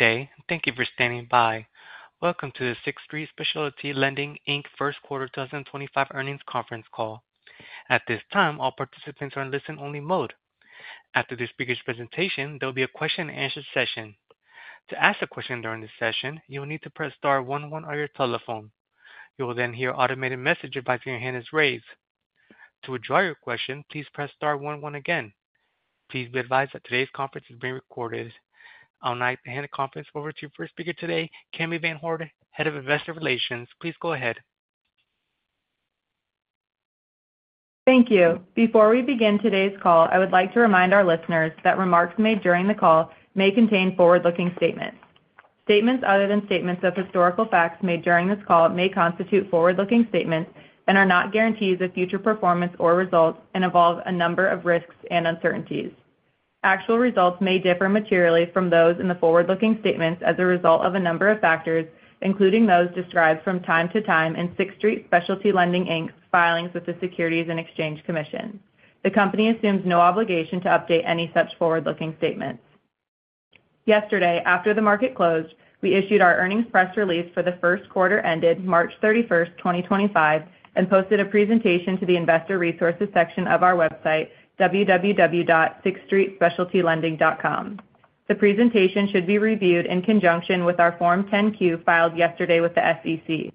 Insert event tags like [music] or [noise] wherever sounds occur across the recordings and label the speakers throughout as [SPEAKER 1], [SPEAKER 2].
[SPEAKER 1] Good day. Thank you for standing by. Welcome to the Sixth Street Specialty Lending first quarter 2025 earnings conference call. At this time, all participants are in listen-only mode. After this speaker's presentation, there will be a question-and-answer session. To ask a question during this session, you will need to press star 11 on your telephone. You will then hear an automated message advising your hand is raised. To withdraw your question, please press star 11 again. Please be advised that today's conference is being recorded. I'll now hand the conference over to your first speaker today, Cami VanHorn, Head of Investor Relations. Please go ahead.
[SPEAKER 2] Thank you. Before we begin today's call, I would like to remind our listeners that remarks made during the call may contain forward-looking statements. Statements other than statements of historical facts made during this call may constitute forward-looking statements and are not guarantees of future performance or results and involve a number of risks and uncertainties. Actual results may differ materially from those in the forward-looking statements as a result of a number of factors, including those described from time to time in Sixth Street Specialty Lending filings with the Securities and Exchange Commission. The company assumes no obligation to update any such forward-looking statements. Yesterday, after the market closed, we issued our earnings press release for the first quarter ended March 31, 2025, and posted a presentation to the Investor Resources section of our website, www.sixthstreetspecialtylending.com. The presentation should be reviewed in conjunction with our Form 10-Q filed yesterday with the SEC.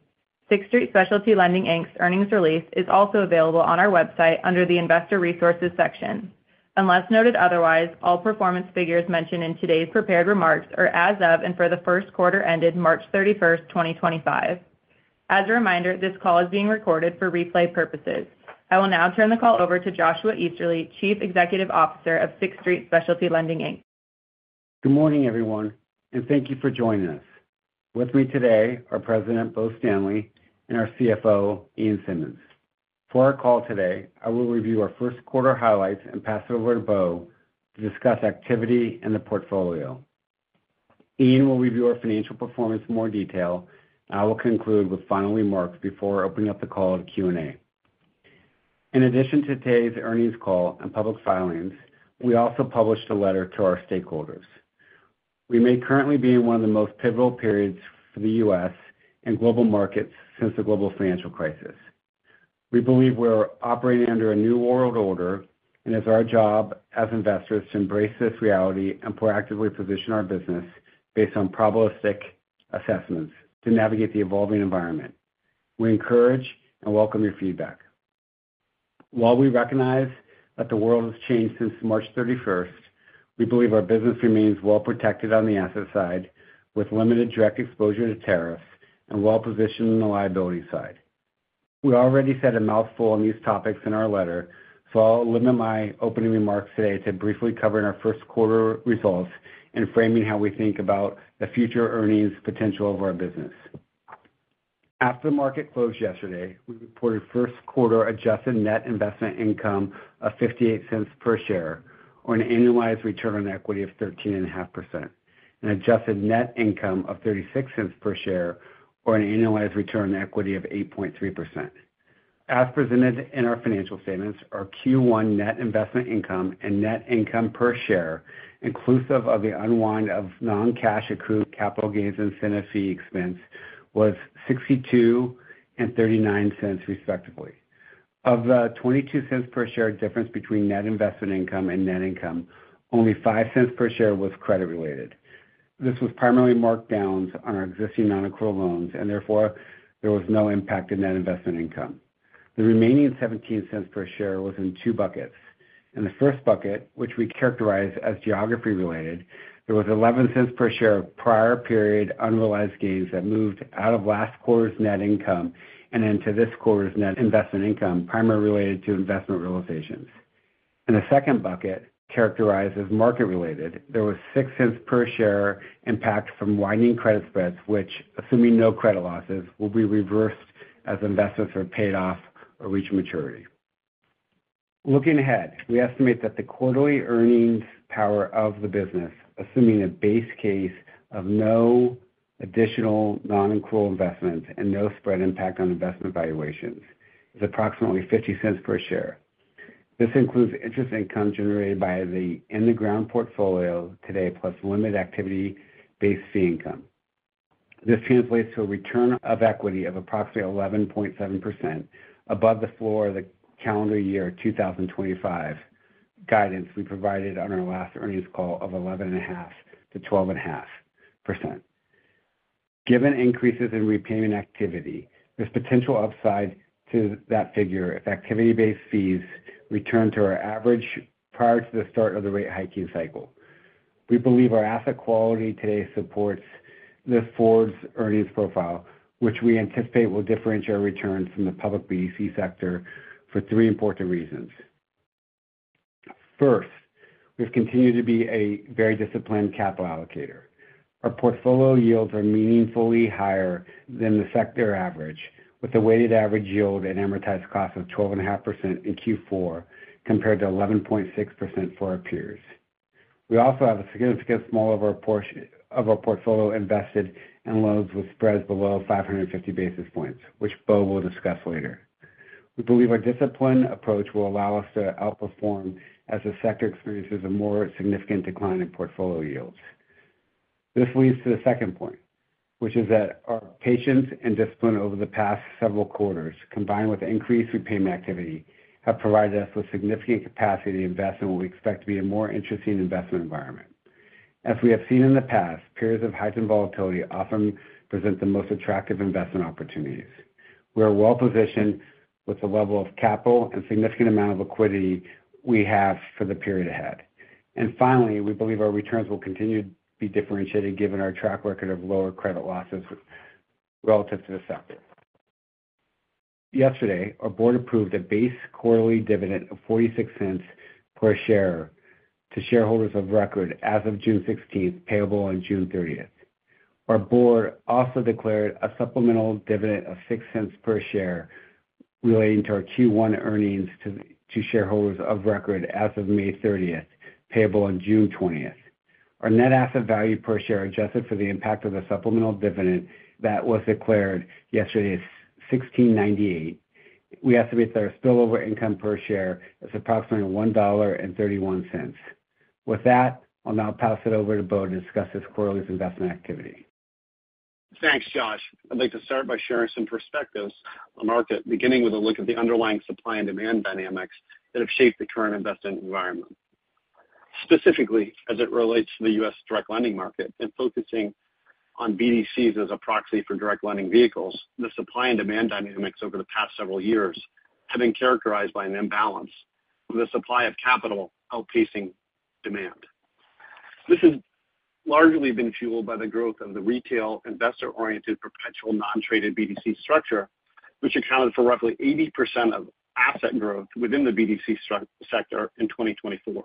[SPEAKER 2] Sixth Street Specialty Lending's earnings release is also available on our website under the Investor Resources section. Unless noted otherwise, all performance figures mentioned in today's prepared remarks are as of and for the first quarter ended March 31, 2025. As a reminder, this call is being recorded for replay purposes. I will now turn the call over to Joshua Easterly, Chief Executive Officer of Sixth Street Specialty Lending.
[SPEAKER 3] Good morning, everyone, and thank you for joining us. With me today are President Bo Stanley and our CFO, Ian Simmonds. For our call today, I will review our first quarter highlights and pass it over to Bo to discuss activity and the portfolio. Ian will review our financial performance in more detail, and I will conclude with final remarks before opening up the call to Q&A. In addition to today's earnings call and public filings, we also published a letter to our stakeholders. We may currently be in one of the most pivotal periods for the U.S. and global markets since the global financial crisis. We believe we're operating under a new world order, and it's our job as investors to embrace this reality and proactively position our business based on probabilistic assessments to navigate the evolving environment. We encourage and welcome your feedback. While we recognize that the world has changed since March 31, we believe our business remains well protected on the asset side with limited direct exposure to tariffs and well positioned on the liability side. We already said a mouthful on these topics in our letter, so I'll limit my opening remarks today to briefly covering our first quarter results and framing how we think about the future earnings potential of our business. After the market closed yesterday, we reported first quarter adjusted net investment income of $0.58 per share, or an annualized return on equity of 13.5%, and adjusted net income of $0.36 per share, or an annualized return on equity of 8.3%. As presented in our financial statements, our Q1 net investment income and net income per share, inclusive of the unwind of non-cash accrued capital gains incentive fee expense, was $0.62 and $0.39 respectively. Of the $0.22 per share difference between net investment income and net income, only $0.05 per share was credit-related. This was primarily mark downs on our existing non-accrual loans, and therefore there was no impact in net investment income. The remaining $0.17 per share was in two buckets. In the first bucket, which we characterize as geography-related, there was $0.11 per share of prior period unrealized gains that moved out of last quarter's net income and into this quarter's net investment income, primarily related to investment realizations. In the second bucket, characterized as market-related, there was $0.06 per share impact from widening credit spreads, which, assuming no credit losses, will be reversed as investments are paid off or reach maturity. Looking ahead, we estimate that the quarterly earnings power of the business, assuming a base case of no additional non-accrual investments and no spread impact on investment valuations, is approximately $0.50 per share. This includes interest income generated by the in-the-ground portfolio today plus limited activity-based fee income. This translates to a return on equity of approximately 11.7% above the floor of the calendar year 2025 guidance we provided on our last earnings call of 11.5%-12.5%. Given increases in repayment activity, there's potential upside to that figure if activity-based fees return to our average prior to the start of the rate hiking cycle. We believe our asset quality today supports this forward earnings profile, which we anticipate will differentiate our returns from the public BDC sector for three important reasons. First, we've continued to be a very disciplined capital allocator. Our portfolio yields are meaningfully higher than the sector average, with a weighted average yield and amortized cost of 12.5% in Q4 compared to 11.6% for our peers. We also have a significant small of our portfolio invested in loans with spreads below 550 basis points, which Bo will discuss later. We believe our disciplined approach will allow us to outperform as the sector experiences a more significant decline in portfolio yields. This leads to the second point, which is that our patience and discipline over the past several quarters, combined with increased repayment activity, have provided us with significant capacity to invest in what we expect to be a more interesting investment environment. As we have seen in the past, periods of heightened volatility often present the most attractive investment opportunities. We are well positioned with the level of capital and significant amount of liquidity we have for the period ahead. Finally, we believe our returns will continue to be differentiated given our track record of lower credit losses relative to the sector. Yesterday, our board approved a base quarterly dividend of $0.46 per share to shareholders of record as of June 16th, payable on June 30th. Our board also declared a supplemental dividend of $0.06 per share relating to our Q1 earnings to shareholders of record as of May 30th, payable on June 20th. Our net asset value per share adjusted for the impact of the supplemental dividend that was declared yesterday is $16.98. We estimate that our spillover income per share is approximately $1.31. With that, I'll now pass it over to Bo to discuss his quarterly investment activity.
[SPEAKER 4] Thanks, Josh. I'd like to start by sharing some perspectives on the market, beginning with a look at the underlying supply and demand dynamics that have shaped the current investment environment. Specifically, as it relates to the U.S. direct lending market and focusing on BDCs as a proxy for direct lending vehicles, the supply and demand dynamics over the past several years have been characterized by an imbalance of the supply of capital outpacing demand. This has largely been fueled by the growth of the retail investor-oriented perpetual non-traded BDC structure, which accounted for roughly 80% of asset growth within the BDC sector in 2024.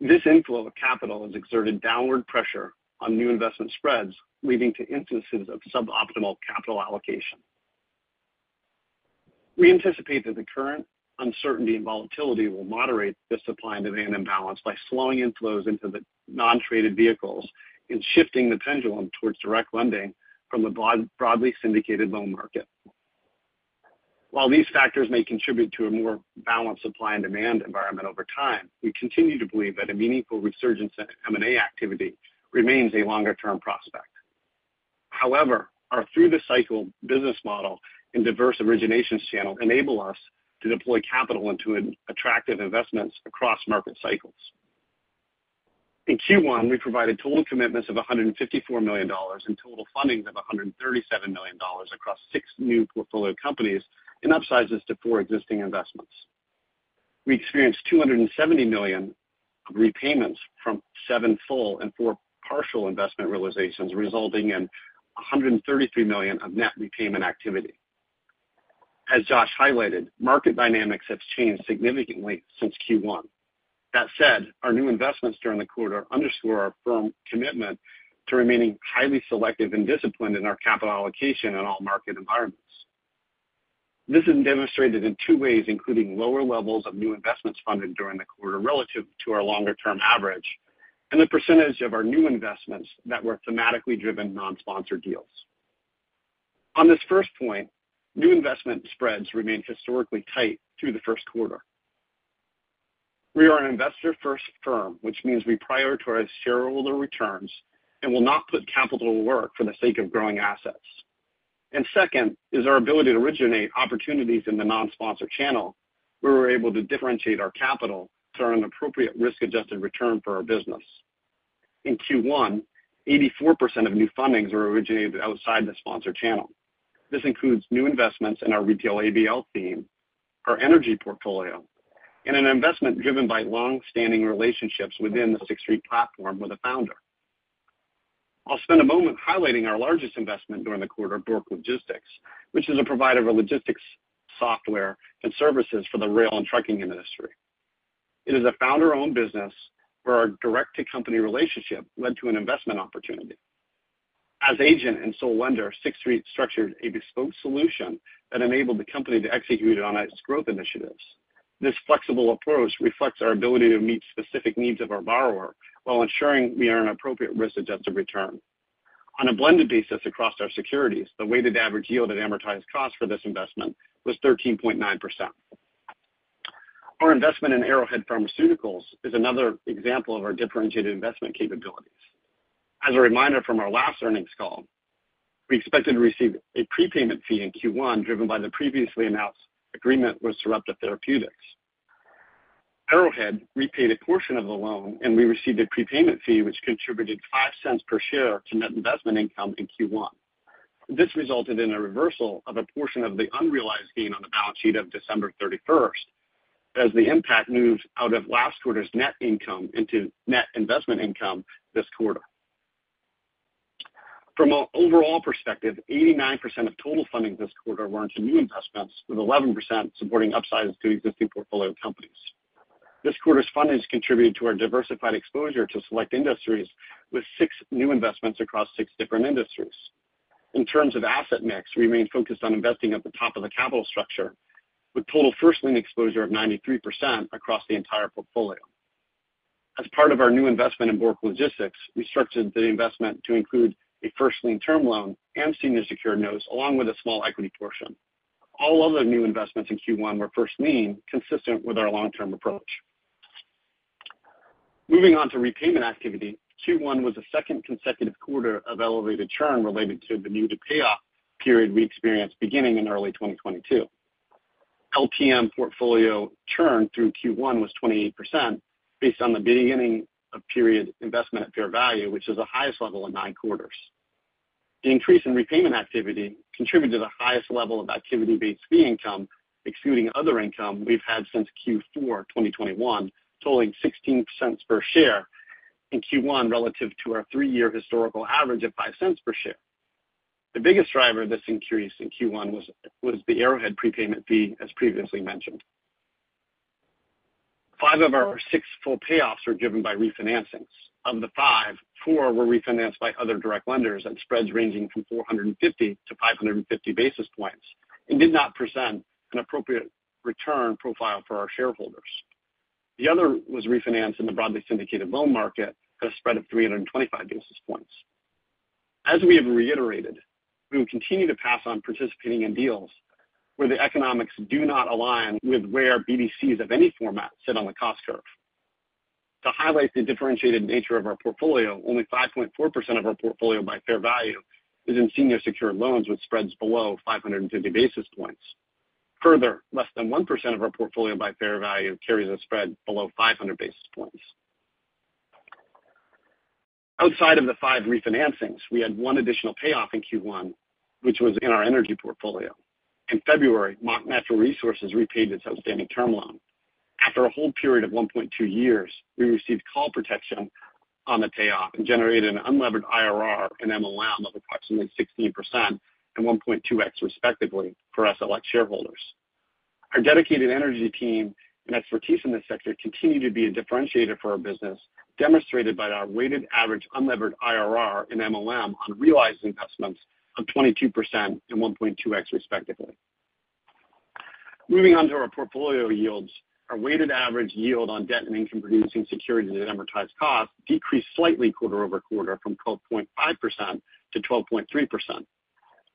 [SPEAKER 4] This inflow of capital has exerted downward pressure on new investment spreads, leading to instances of suboptimal capital allocation. We anticipate that the current uncertainty and volatility will moderate the supply and demand imbalance by slowing inflows into the non-traded vehicles and shifting the pendulum towards direct lending from the broadly syndicated loan market. While these factors may contribute to a more balanced supply and demand environment over time, we continue to believe that a meaningful resurgence in M&A activity remains a longer-term prospect. However, our through-the-cycle business model and diverse originations channel enable us to deploy capital into attractive investments across market cycles. In Q1, we provided total commitments of $154 million and total fundings of $137 million across six new portfolio companies and upsizes to four existing investments. We experienced $270 million of repayments from seven full and four partial investment realizations, resulting in $133 million of net repayment activity. As Josh highlighted, market dynamics have changed significantly since Q1. That said, our new investments during the quarter underscore our firm commitment to remaining highly selective and disciplined in our capital allocation in all market environments. This is demonstrated in two ways, including lower levels of new investments funded during the quarter relative to our longer-term average and the percentage of our new investments that were thematically driven non-sponsored deals. On this first point, new investment spreads remained historically tight through the first quarter. We are an investor-first firm, which means we prioritize shareholder returns and will not put capital to work for the sake of growing assets. Second is our ability to originate opportunities in the non-sponsored channel, where we're able to differentiate our capital to earn an appropriate risk-adjusted return for our business. In Q1, 84% of new fundings were originated outside the sponsored channel. This includes new investments in our retail ABL team, our energy portfolio, and an investment driven by long-standing relationships within the Sixth Street platform with a founder. I'll spend a moment highlighting our largest investment during the quarter, Bourque Logistics, which is a provider of logistics software and services for the rail and trucking industry. It is a founder-owned business where our direct-to-company relationship led to an investment opportunity. As agent and sole lender, Sixth Street structured a bespoke solution that enabled the company to execute on its growth initiatives. This flexible approach reflects our ability to meet specific needs of our borrower while ensuring we earn appropriate risk-adjusted return. On a blended basis across our securities, the weighted average yield and amortized cost for this investment was 13.9%. Our investment in Arrowhead Pharmaceuticals is another example of our differentiated investment capabilities. As a reminder from our last earnings call, we expected to receive a prepayment fee in Q1 driven by the previously announced agreement with Sarepta Therapeutics. Arrowhead repaid a portion of the loan, and we received a prepayment fee, which contributed $0.05 per share to net investment income in Q1. This resulted in a reversal of a portion of the unrealized gain on the balance sheet of December 31, as the impact moved out of last quarter's net income into net investment income this quarter. From an overall perspective, 89% of total fundings this quarter were into new investments, with 11% supporting upsizes to existing portfolio companies. This quarter's fundings contributed to our diversified exposure to select industries, with six new investments across six different industries. In terms of asset mix, we remained focused on investing at the top of the capital structure, with total first-lien exposure of 93% across the entire portfolio. As part of our new investment in Bourque Logistics, we structured the investment to include a first-lien term loan and senior secured notes, along with a small equity portion. All other new investments in Q1 were first-lien, consistent with our long-term approach. Moving on to repayment activity, Q1 was the second consecutive quarter of elevated churn related to the new-to-payoff period we experienced beginning in early 2022. LPM portfolio churn through Q1 was 28%, based on the beginning of period investment at fair value, which is the highest level in nine quarters. The increase in repayment activity contributed to the highest level of activity-based fee income, excluding other income we've had since Q4 2021, totaling $0.16 per share in Q1 relative to our three-year historical average of $0.05 per share. The biggest driver of this increase in Q1 was the Arrowhead prepayment fee, as previously mentioned. Five of our six full payoffs were driven by refinancings. Of the five, four were refinanced by other direct lenders at spreads ranging from 450-550 basis points and did not present an appropriate return profile for our shareholders. The other was refinanced in the broadly syndicated loan market at a spread of 325 basis points. As we have reiterated, we will continue to pass on participating in deals where the economics do not align with where BDCs of any format sit on the cost curve. To highlight the differentiated nature of our portfolio, only 5.4% of our portfolio by fair value is in senior secured loans with spreads below 550 basis points. Further, less than 1% of our portfolio by fair value carries a spread below 500 basis points. Outside of the five refinancings, we had one additional payoff in Q1, which was in our energy portfolio. In February, Mach Natural Resources repaid its outstanding term loan. After a hold period of 1.2 years, we received call protection on the payoff and generated an unlevered IRR and MLM of approximately 16% and 1.2x, respectively, for TSLX shareholders. Our dedicated energy team and expertise in this sector continue to be a differentiator for our business, demonstrated by our weighted average unlevered IRR and MLM on realized investments of 22% and 1.2x, respectively. Moving on to our portfolio yields, our weighted average yield on debt and income-producing securities and amortized costs decreased slightly quarter-over-quarter from 12.5%-12.3%.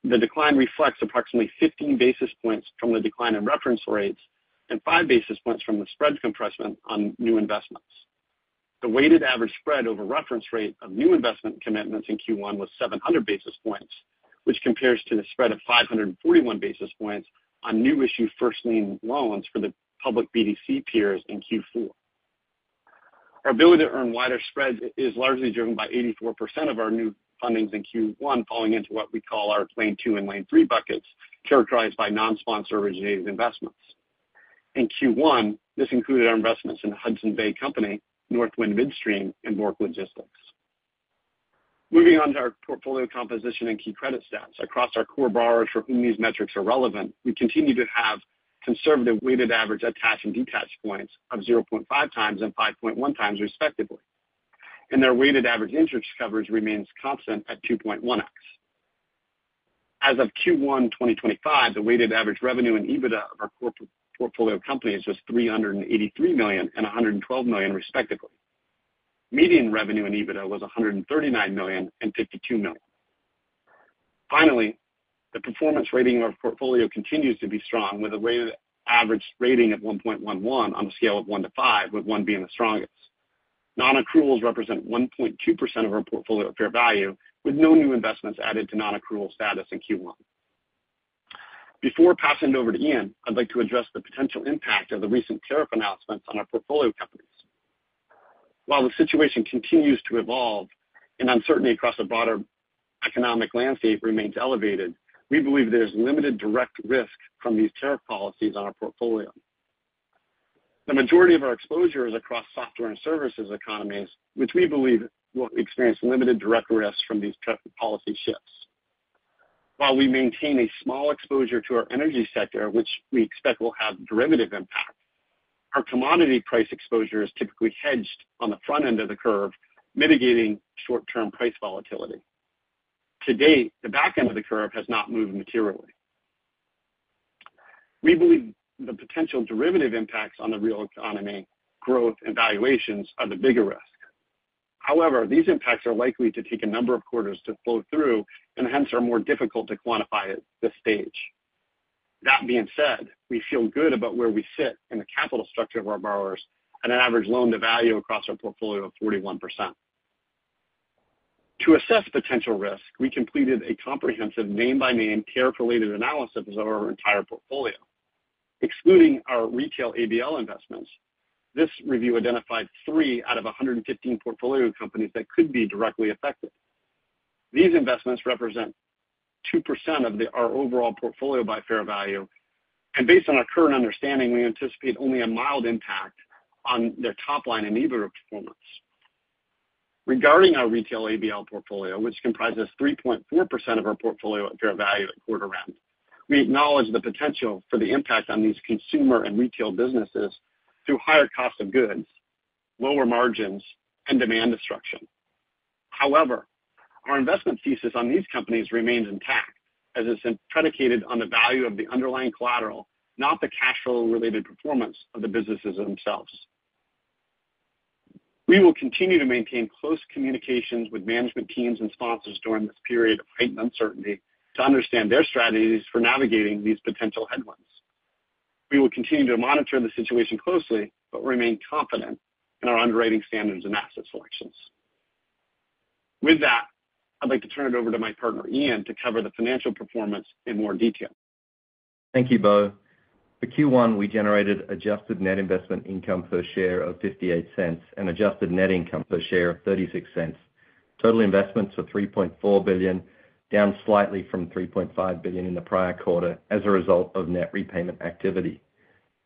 [SPEAKER 4] The decline reflects approximately 15 basis points from the decline in reference rates and 5 basis points from the spread compression on new investments. The weighted average spread over reference rate of new investment commitments in Q1 was 700 basis points, which compares to the spread of 541 basis points on new-issued first-lien loans for the public BDC peers in Q4. Our ability to earn wider spreads is largely driven by 84% of our new fundings in Q1 falling into what we call our lane two and lane three buckets, characterized by non-sponsored originated investments. In Q1, this included our investments in Hudson Bay Company, Northwind Midstream, and Bourque Logistics. Moving on to our portfolio composition and key credit stats. Across our core borrowers for whom these metrics are relevant, we continue to have conservative weighted average attached and detached points of 0.5 times and 5.1 times, respectively. Their weighted average interest coverage remains constant at 2.1x. As of Q1 2025, the weighted average revenue and EBITDA of our portfolio companies was $383 million and $112 million, respectively. Median revenue and EBITDA was $139 million and $52 million. Finally, the performance rating of our portfolio continues to be strong, with a weighted average rating of 1.11 on a scale of 1-5, with 1 being the strongest. Non-accruals represent 1.2% of our portfolio fair value, with no new investments added to non-accrual status in Q1. Before passing it over to Ian, I'd like to address the potential impact of the recent tariff announcements on our portfolio companies. While the situation continues to evolve and uncertainty across the broader economic landscape remains elevated, we believe there's limited direct risk from these tariff policies on our portfolio. The majority of our exposure is across software and services economies, which we believe will experience limited direct risks from these tariff policy shifts. While we maintain a small exposure to our energy sector, which we expect will have derivative impact, our commodity price exposure is typically hedged on the front end of the curve, mitigating short-term price volatility. To date, the back end of the curve has not moved materially. We believe the potential derivative impacts on the real economy, growth, and valuations are the bigger risk. However, these impacts are likely to take a number of quarters to flow through and hence are more difficult to quantify at this stage. That being said, we feel good about where we sit in the capital structure of our borrowers at an average loan-to-value across our portfolio of 41%. To assess potential risk, we completed a comprehensive name-by-name tariff-related analysis of our entire portfolio. Excluding our retail ABL investments, this review identified three out of 115 portfolio companies that could be directly affected. These investments represent 2% of our overall portfolio by fair value, and based on our current understanding, we anticipate only a mild impact on their top line and EBITDA performance. Regarding our retail ABL portfolio, which comprises 3.4% of our portfolio at fair value at quarter end, we acknowledge the potential for the impact on these consumer and retail businesses through higher cost of goods, lower margins, and demand destruction. However, our investment thesis on these companies remains intact, as it's predicated on the value of the underlying collateral, not the cash flow-related performance of the businesses themselves. We will continue to maintain close communications with management teams and sponsors during this period of heightened uncertainty to understand their strategies for navigating these potential headwinds. We will continue to monitor the situation closely but remain confident in our underwriting standards and asset selections. With that, I'd like to turn it over to my partner, Ian, to cover the financial performance in more detail.
[SPEAKER 5] Thank you, Bo. For Q1, we generated adjusted net investment income per share of $0.58 and adjusted net income per share of $0.36. Total investments were $3.4 billion, down slightly from $3.5 billion in the prior quarter as a result of net repayment activity.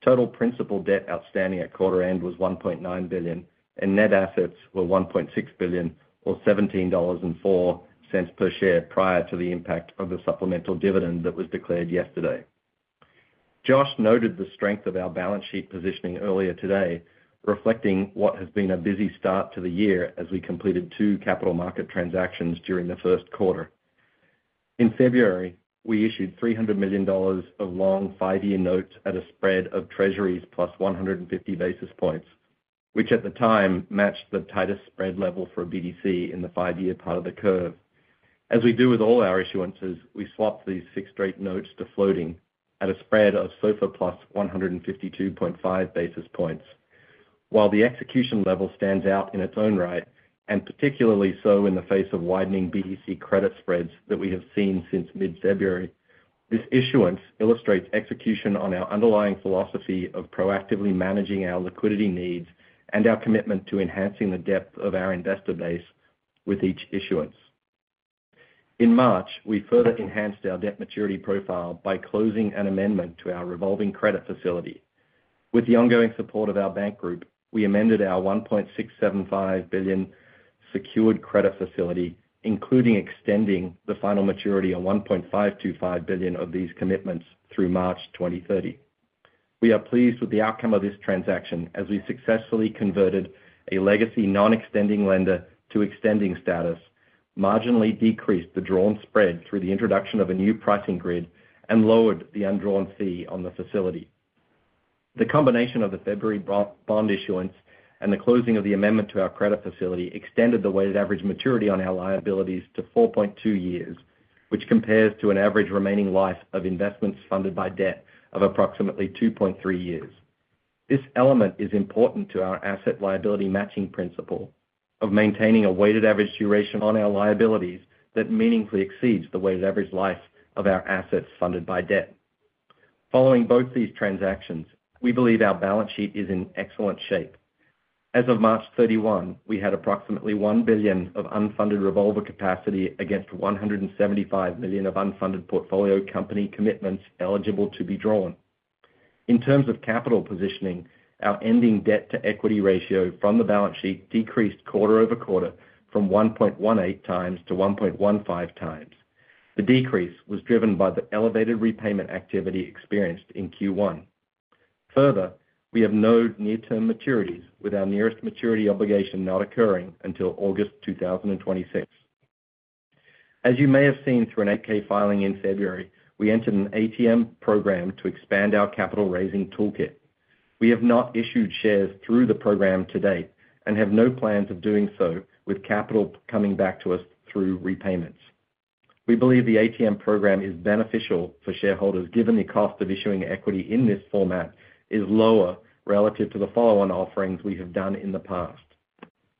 [SPEAKER 5] Total principal debt outstanding at quarter end was $1.9 billion, and net assets were $1.6 billion, or $17.04 per share, prior to the impact of the supplemental dividend that was declared yesterday. Josh noted the strength of our balance sheet positioning earlier today, reflecting what has been a busy start to the year as we completed two capital market transactions during the first quarter. In February, we issued $300 million of long five-year notes at a spread of Treasuries plus 150 basis points, which at the time matched the tightest spread level for BDC in the five-year part of the curve. As we do with all our issuances, we swapped these fixed-rate notes to floating at a spread of SOFRR + 152.5 basis points. While the execution level stands out in its own right, and particularly so in the face of widening BDC credit spreads that we have seen since mid-February, this issuance illustrates execution on our underlying philosophy of proactively managing our liquidity needs and our commitment to enhancing the depth of our investor base with each issuance. In March, we further enhanced our debt maturity profile by closing an amendment to our revolving credit facility. With the ongoing support of our bank group, we amended our $1.675 billion secured credit facility, including extending the final maturity of $1.525 billion of these commitments through March 2030. We are pleased with the outcome of this transaction as we successfully converted a legacy non-extending lender to extending status, marginally decreased the drawn spread through the introduction of a new pricing grid, and lowered the undrawn fee on the facility. The combination of the February bond issuance and the closing of the amendment to our credit facility extended the weighted average maturity on our liabilities to 4.2 years, which compares to an average remaining life of investments funded by debt of approximately 2.3 years. This element is important to our asset liability matching principle of maintaining a weighted average duration on our liabilities that meaningfully exceeds the weighted average life of our assets funded by debt. Following both these transactions, we believe our balance sheet is in excellent shape. As of March 31, we had approximately $1 billion of unfunded revolver capacity against $175 million of unfunded portfolio company commitments eligible to be drawn. In terms of capital positioning, our ending debt to equity ratio from the balance sheet decreased quarter-over-quarter from 1.18 times to 1.15 times. The decrease was driven by the elevated repayment activity experienced in Q1. Further, we have no near-term maturities, with our nearest maturity obligation not occurring until August 2026. As you may have seen through an 8-K filing in February, we entered an ATM program to expand our capital raising toolkit. We have not issued shares through the program to date and have no plans of doing so, with capital coming back to us through repayments. We believe the ATM program is beneficial for shareholders given the cost of issuing equity in this format is lower relative to the follow-on offerings we have done in the past.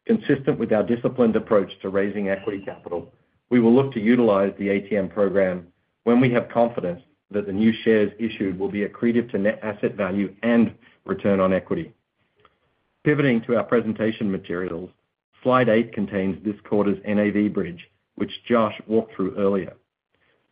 [SPEAKER 5] Consistent with our disciplined approach to raising equity capital, we will look to utilize the ATM program when we have confidence that the new shares issued will be accretive to net asset value and return on equity. Pivoting to our presentation materials, slide 8 contains this quarter's NAV bridge, which Josh walked through earlier.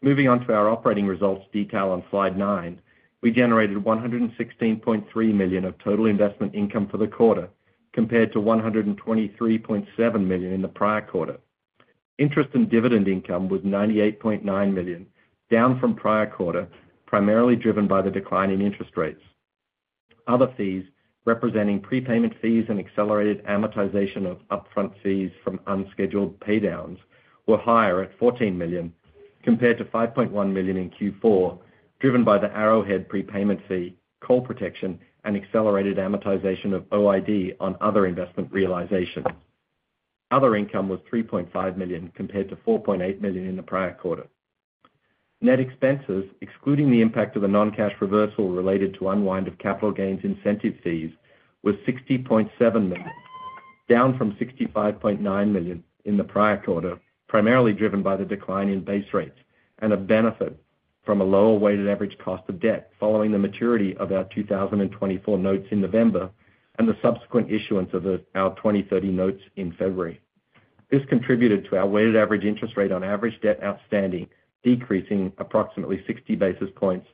[SPEAKER 5] Moving on to our operating results detail on slide 9, we generated $116.3 million of total investment income for the quarter compared to $123.7 million in the prior quarter. Interest and dividend income was $98.9 million, down from prior quarter, primarily driven by the decline in interest rates. Other fees, representing prepayment fees and accelerated amortization of upfront fees from unscheduled paydowns, were higher at $14 million compared to $5.1 million in Q4, driven by the Arrowhead prepayment fee, call protection, and accelerated amortization of OID on other investment realization. Other income was $3.5 million compared to $4.8 million in the prior quarter. Net expenses, excluding the impact of the non-cash reversal related to unwind of capital gains incentive fees, were $60.7 million, down from $65.9 million in the prior quarter, primarily driven by the decline in base rates and a benefit from a lower weighted average cost of debt following the maturity of our 2024 notes in November and the subsequent issuance of our 2030 notes in February. This contributed to our weighted average interest rate on average debt outstanding decreasing approximately 60 basis points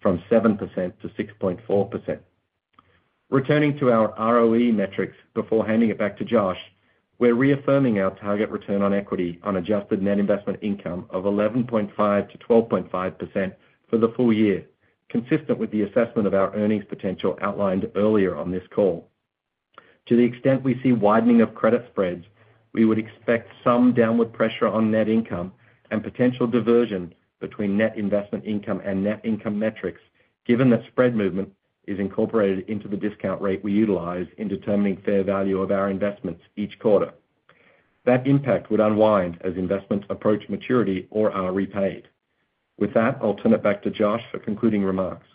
[SPEAKER 5] from 7% to 6.4%. Returning to our ROE metrics before handing it back to Josh, we're reaffirming our target return on equity on adjusted net investment income of 11.5%-12.5% for the full year, consistent with the assessment of our earnings potential outlined earlier on this call. To the extent we see widening of credit spreads, we would expect some downward pressure on net income and potential diversion between net investment income and net income metrics, given that spread movement is incorporated into the discount rate we utilize in determining fair value of our investments each quarter. That impact would unwind as investments approach maturity or are repaid. With that, I'll turn it back to Josh for concluding remarks.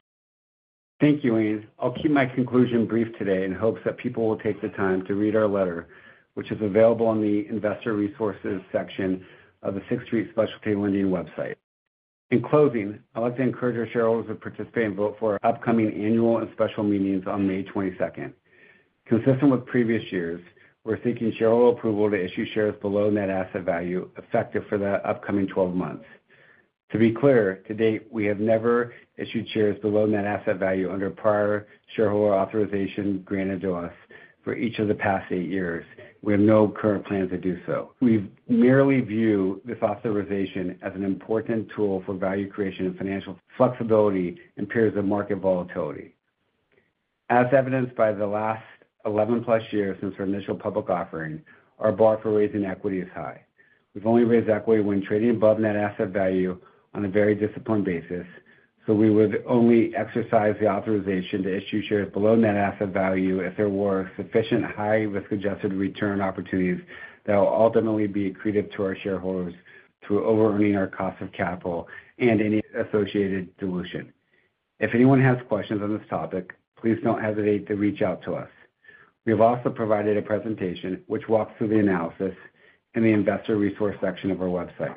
[SPEAKER 3] Thank you, Ian. I'll keep my conclusion brief today in hopes that people will take the time to read our letter, which is available on the investor resources section of the Sixth Street Specialty Lending website. In closing, I'd like to encourage our shareholders to participate and vote for our upcoming annual and special meetings on May 22. Consistent with previous years, we're seeking shareholder approval to issue shares below net asset value effective for the upcoming 12 months. To be clear, to date, we have never issued shares below net asset value under prior shareholder authorization granted to us for each of the past eight years. We have no current plan to do so. We merely view this authorization as an important tool for value creation and financial flexibility in periods of market volatility. As evidenced by the last 11+ years since our initial public offering, our bar for raising equity is high. We've only raised equity when trading above net asset value on a very disciplined basis, so we would only exercise the authorization to issue shares below net asset value if there were sufficient high-risk adjusted return opportunities that will ultimately be accretive to our shareholders through over-earning our cost of capital and any associated dilution. If anyone has questions on this topic, please don't hesitate to reach out to us. We have also provided a presentation which walks through the analysis in the investor resource section of our website.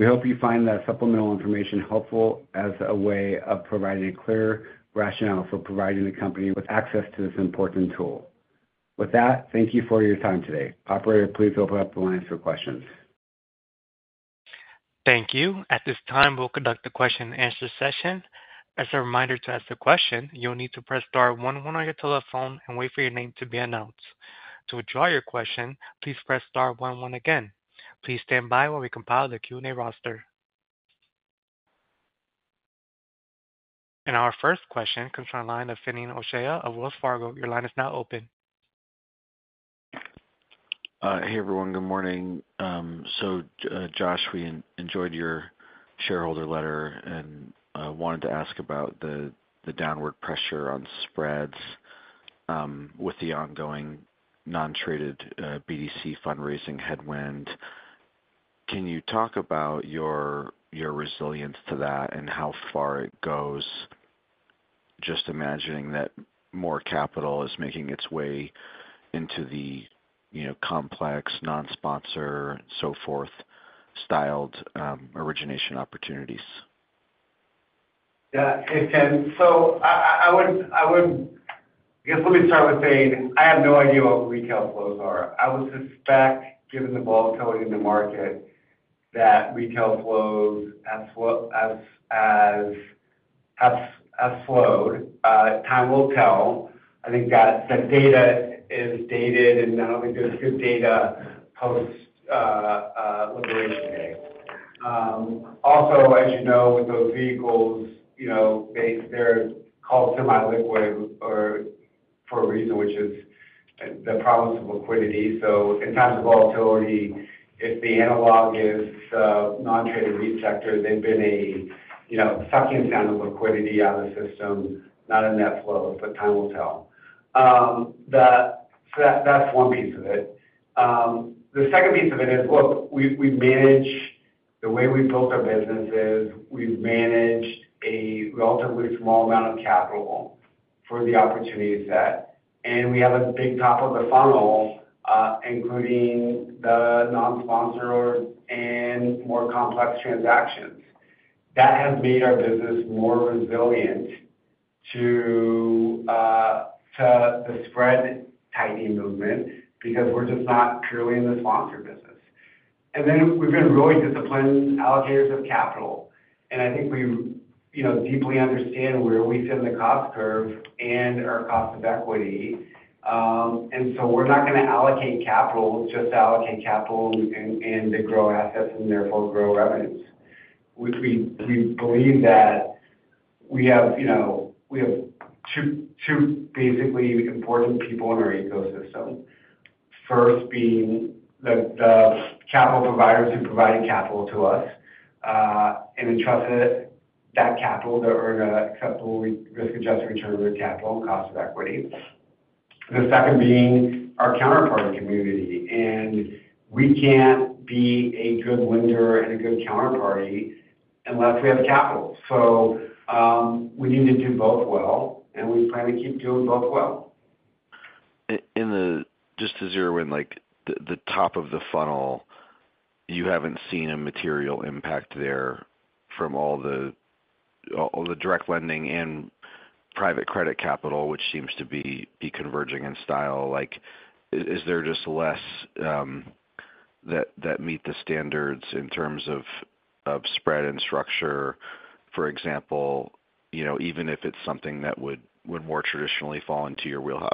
[SPEAKER 3] We hope you find the supplemental information helpful as a way of providing a clear rationale for providing the company with access to this important tool. With that, thank you for your time today. Operator, please open up the lines for questions.
[SPEAKER 1] Thank you. At this time, we'll conduct the question-and-answer session. As a reminder to ask the question, you'll need to press star 11 on your telephone and wait for your name to be announced. To withdraw your question, please press star 11 again. Please stand by while we compile the Q&A roster. Our first question concerns line of Finian O'Shea of Wells Fargo. Your line is now open.
[SPEAKER 6] Hey, everyone. Good morning. Josh, we enjoyed your shareholder letter and wanted to ask about the downward pressure on spreads with the ongoing non-traded BDC fundraising headwind. Can you talk about your resilience to that and how far it goes, just imagining that more capital is making its way into the complex, non-sponsor, so forth styled origination opportunities?
[SPEAKER 3] Yeah, it can. I would, I guess, let me start with saying I have no idea what retail flows are. I would suspect, given the volatility in the market, that retail flows have slowed. Time will tell. I think that the data is dated, and I don't think there's good data post-Liberation Day. Also, as you know, with those vehicles, they're called semi-liquid for a reason, which is the promise of liquidity. In times of volatility, if the analog is non-traded retail sector, they've been a sucking sound of liquidity out of the system, not a net flow, but time will tell. That's one piece of it. The second piece of it is, look, we manage the way we built our businesses. We've managed a relatively small amount of capital for the opportunity set, and we have a big top of the funnel, including the non-sponsor and more complex transactions. That has made our business more resilient to the spread tightening movement because we're just not purely in the sponsor business. We have been really disciplined allocators of capital, and I think we deeply understand where we sit in the cost curve and our cost of equity. We are not going to allocate capital just to allocate capital and to grow assets and therefore grow revenues. We believe that we have two basically important people in our ecosystem. First, being the capital providers who provided capital to us and entrusted that capital to earn a risk-adjusted return on capital and cost of equity. The second being our counterparty community, and we can't be a good lender and a good counterparty unless we have the capital. We need to do both well, and we plan to keep doing both well.
[SPEAKER 6] Just to zero in, the top of the funnel, you haven't seen a material impact there from all the direct lending and private credit capital, which seems to be converging in style. Is there just less that meet the standards in terms of spread and structure, for example, even if it's something that would more traditionally fall into your wheelhouse?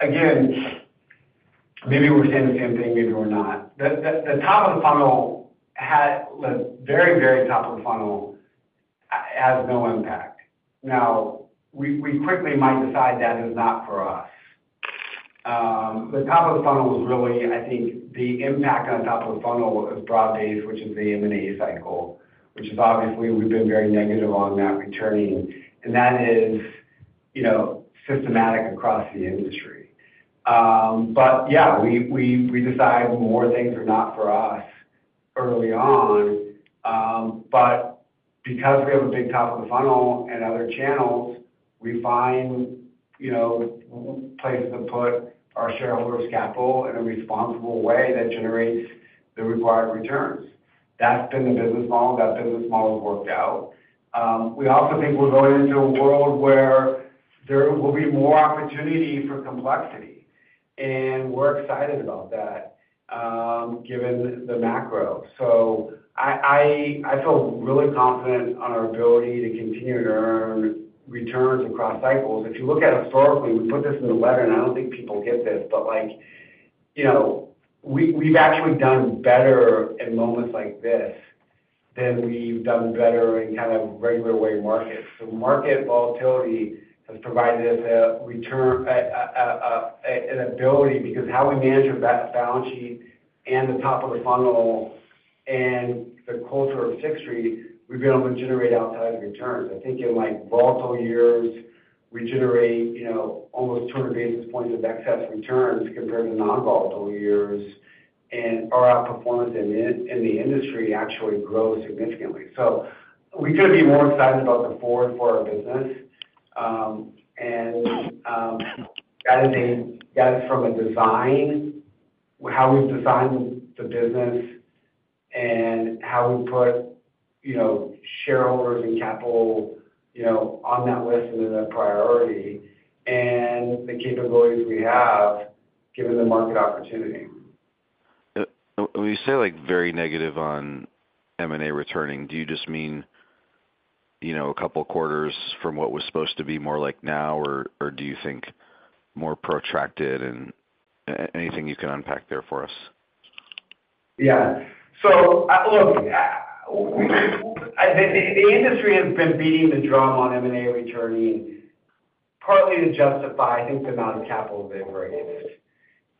[SPEAKER 3] Again, maybe we're saying the same thing. Maybe we're not. The top of the funnel, the very, very top of the funnel, has no impact. Now, we quickly might decide that is not for us. The top of the funnel was really, I think the impact on the top of the funnel is broad-based, which is the M&A cycle, which is obviously we've been very negative on that returning, and that is systematic across the industry. Yeah, we decide more things are not for us early on. Because we have a big top of the funnel and other channels, we find places to put our shareholder capital in a responsible way that generates the required returns. That has been the business model. That business model has worked out. We also think we're going into a world where there will be more opportunity for complexity, and we're excited about that given the macro. I feel really confident on our ability to continue to earn returns across cycles. If you look at historically, we put this in the letter, and I don't think people get this, but we've actually done better in moments like this than we've done better in kind of regular way markets. The market volatility has provided us an ability because how we manage our balance sheet and the top of the funnel and the culture of Sixth Street, we've been able to generate outsized returns. I think in volatile years, we generate almost 200 basis points of excess returns compared to non-volatile years, and our outperformance in the industry actually grows significantly. We could be more excited about the forward for our business, and that is from a design, how we've designed the business and how we put shareholders and capital on that list and as a priority and the capabilities we have given the market opportunity.
[SPEAKER 6] When you say very negative on M&A returning, do you just mean a couple of quarters from what was supposed to be more like now, or do you think more protracted and anything you can unpack there for us?
[SPEAKER 3] Yeah. Look, the industry has been beating the drum on M&A returning partly to justify, I think, the amount of capital they've raised,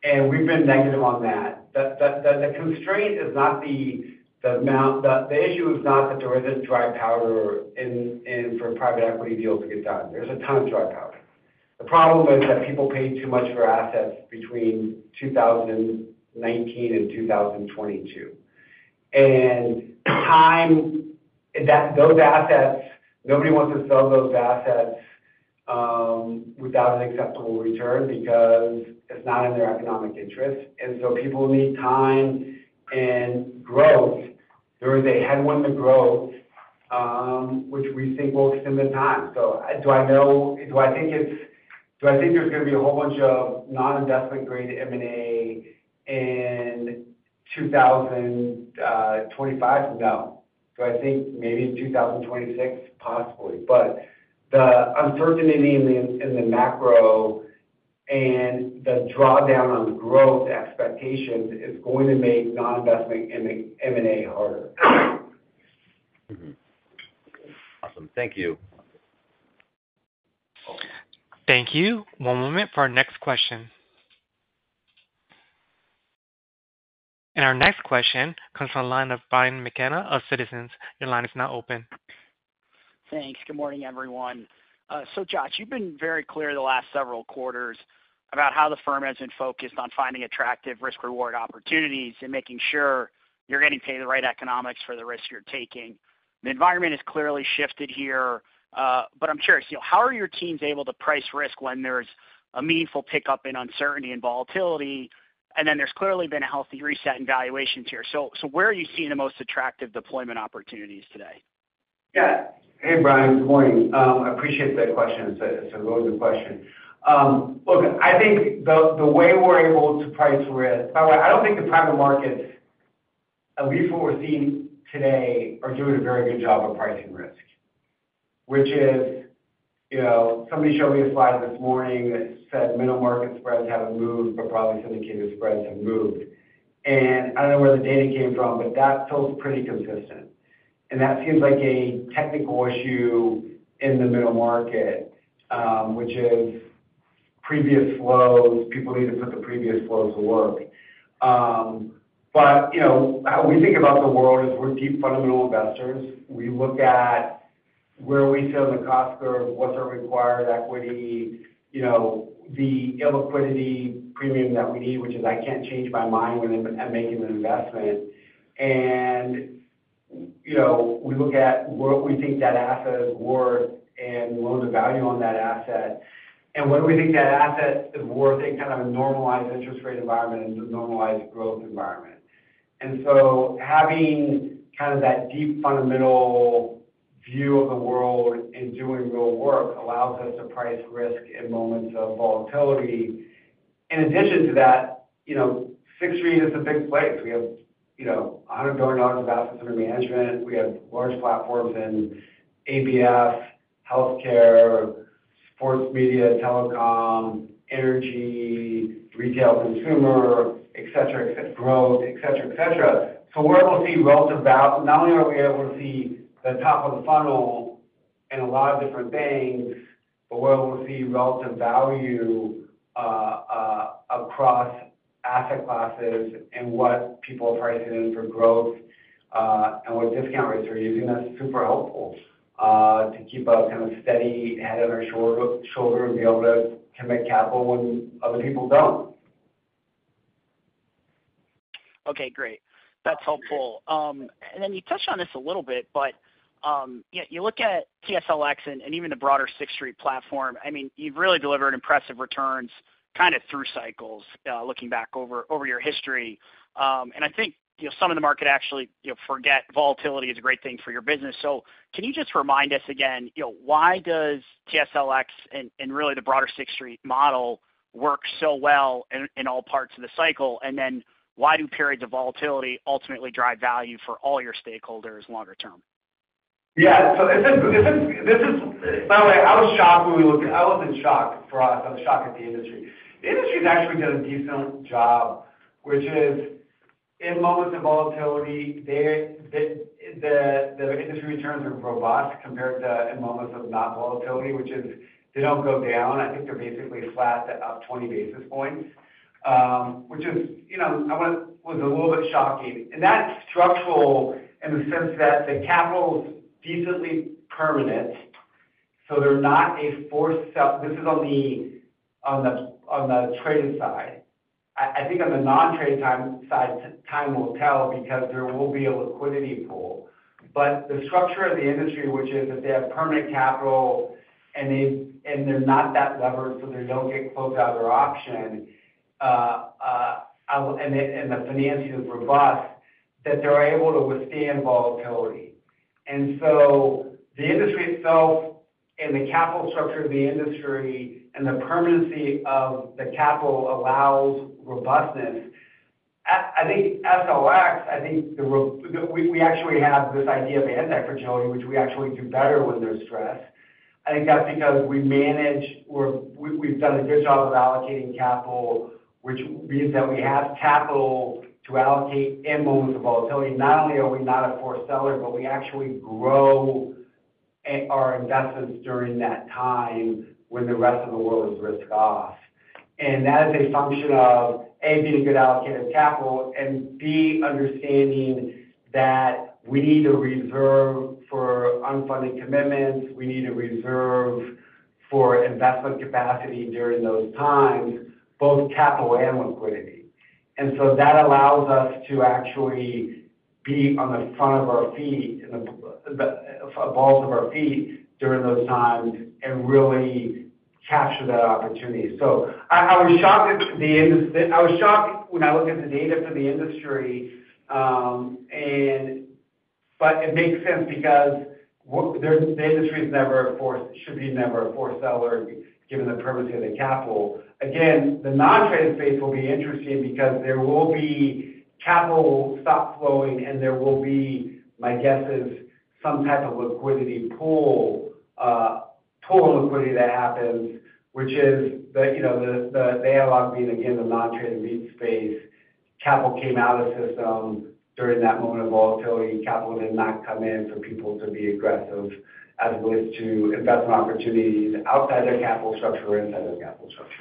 [SPEAKER 3] and we've been negative on that. The constraint is not the issue is not that there isn't dry power for private equity deals to get done. There's a ton of dry power. The problem is that people paid too much for assets between 2019 and 2022. And those assets, nobody wants to sell those assets without an acceptable return because it's not in their economic interest. People need time and growth. There is a headwind to growth, which we think will extend the time. Do I know do I think it's do I think there's going to be a whole bunch of non-investment-grade M&A in 2025? No. Do I think maybe in 2026? Possibly. But the uncertainty in the macro and the drawdown on growth expectations is going to make non-investment M&A harder.
[SPEAKER 6] Awesome. Thank you.
[SPEAKER 1] Thank you. One moment for our next question. Our next question comes from the line of Brian McKenna, of Citizens. Your line is now open.
[SPEAKER 7] Thanks. Good morning, everyone. Josh, you've been very clear the last several quarters about how the firm has been focused on finding attractive risk-reward opportunities and making sure you're getting paid the right economics for the risk you're taking. The environment has clearly shifted here, but I'm curious, how are your teams able to price risk when there's a meaningful pickup in uncertainty and volatility, and then there's clearly been a healthy reset in valuations here? Where are you seeing the most attractive deployment opportunities today?
[SPEAKER 3] Yeah. Hey, Brian. Good morning. I appreciate the question. It's a loaded question. Look, I think the way we're able to price risk, by the way, I don't think the private market, at least what we're seeing today, are doing a very good job of pricing risk, which is somebody showed me a slide this morning that said middle market spreads haven't moved, but probably syndicated spreads have moved. I don't know where the data came from, but that feels pretty consistent. That seems like a technical issue in the middle market, which is previous flows. People need to put the previous flows to work. How we think about the world is we're deep fundamental investors. We look at where we sit on the cost curve, what's our required equity, the illiquidity premium that we need, which is I can't change my mind when I'm making an investment. We look at what we think that asset is worth and loan to value on that asset, and whether we think that asset is worth in kind of a normalized interest rate environment and a normalized growth environment. Having kind of that deep fundamental view of the world and doing real work allows us to price risk in moments of volatility. In addition to that, Sixth Street is a big place. We have $100 billion of assets under management. We have large platforms in ABF, healthcare, sports media, telecom, energy, retail consumer, etc., etc., growth, etc., etc. We are able to see relative value. Not only are we able to see the top of the funnel and a lot of different things, but we are able to see relative value across asset classes and what people are pricing in for growth and what discount rates are using.
[SPEAKER 7] That's super helpful to keep a kind of steady head on our shoulder and be able to commit capital when other people don't. Okay. Great. That's helpful. You touched on this a little bit, but you look at TSLX and even the broader Sixth Street platform. I mean, you've really delivered impressive returns kind of through cycles looking back over your history. I think some of the market actually forget volatility is a great thing for your business. Can you just remind us again, why does TSLX and really the broader Sixth Street model work so well in all parts of the cycle? Why do periods of volatility ultimately drive value for all your stakeholders longer term?
[SPEAKER 3] Yeah. This is, by the way, I was shocked when we looked at it. I was in shock for us. I was shocked at the industry. The industry has actually done a decent job, which is in moments of volatility, the industry returns are robust compared to in moments of non-volatility, which is they do not go down. I think they are basically flat at 20 basis points, which is I was a little bit shocking. That is structural in the sense that the capital is decently permanent, so they are not a forced sell. This is on the traded side. I think on the non-trade side, time will tell because there will be a liquidity pool. The structure of the industry, which is that they have permanent capital and they are not that levered, so they do not get closed out of their option, and the financing is robust, that they are able to withstand volatility. The industry itself and the capital structure of the industry and the permanency of the capital allows robustness. I think TSLX, I think we actually have this idea of anti-fragility, which we actually do better when there's stress. I think that's because we've done a good job of allocating capital, which means that we have capital to allocate in moments of volatility. Not only are we not a forced seller, but we actually grow our investments during that time when the rest of the world is risk-off. That is a function of, A, being a good allocator of capital, and B, understanding that we need a reserve for unfunded commitments. We need a reserve for investment capacity during those times, both capital and liquidity. That allows us to actually be on the front of our feet, the balls of our feet during those times and really capture that opportunity. I was shocked at the industry. I was shocked when I looked at the data for the industry, but it makes sense because the industry should be never a forced seller given the permanency of the capital. Again, the non-traded space will be interesting because there will be capital stop flowing, and there will be, my guess is, some type of liquidity pool and liquidity that happens, which is the analog being, again, the non-traded meat space. Capital came out of the system during that moment of volatility. Capital did not come in for people to be aggressive as opposed to investment opportunities outside their capital structure or inside their capital structure.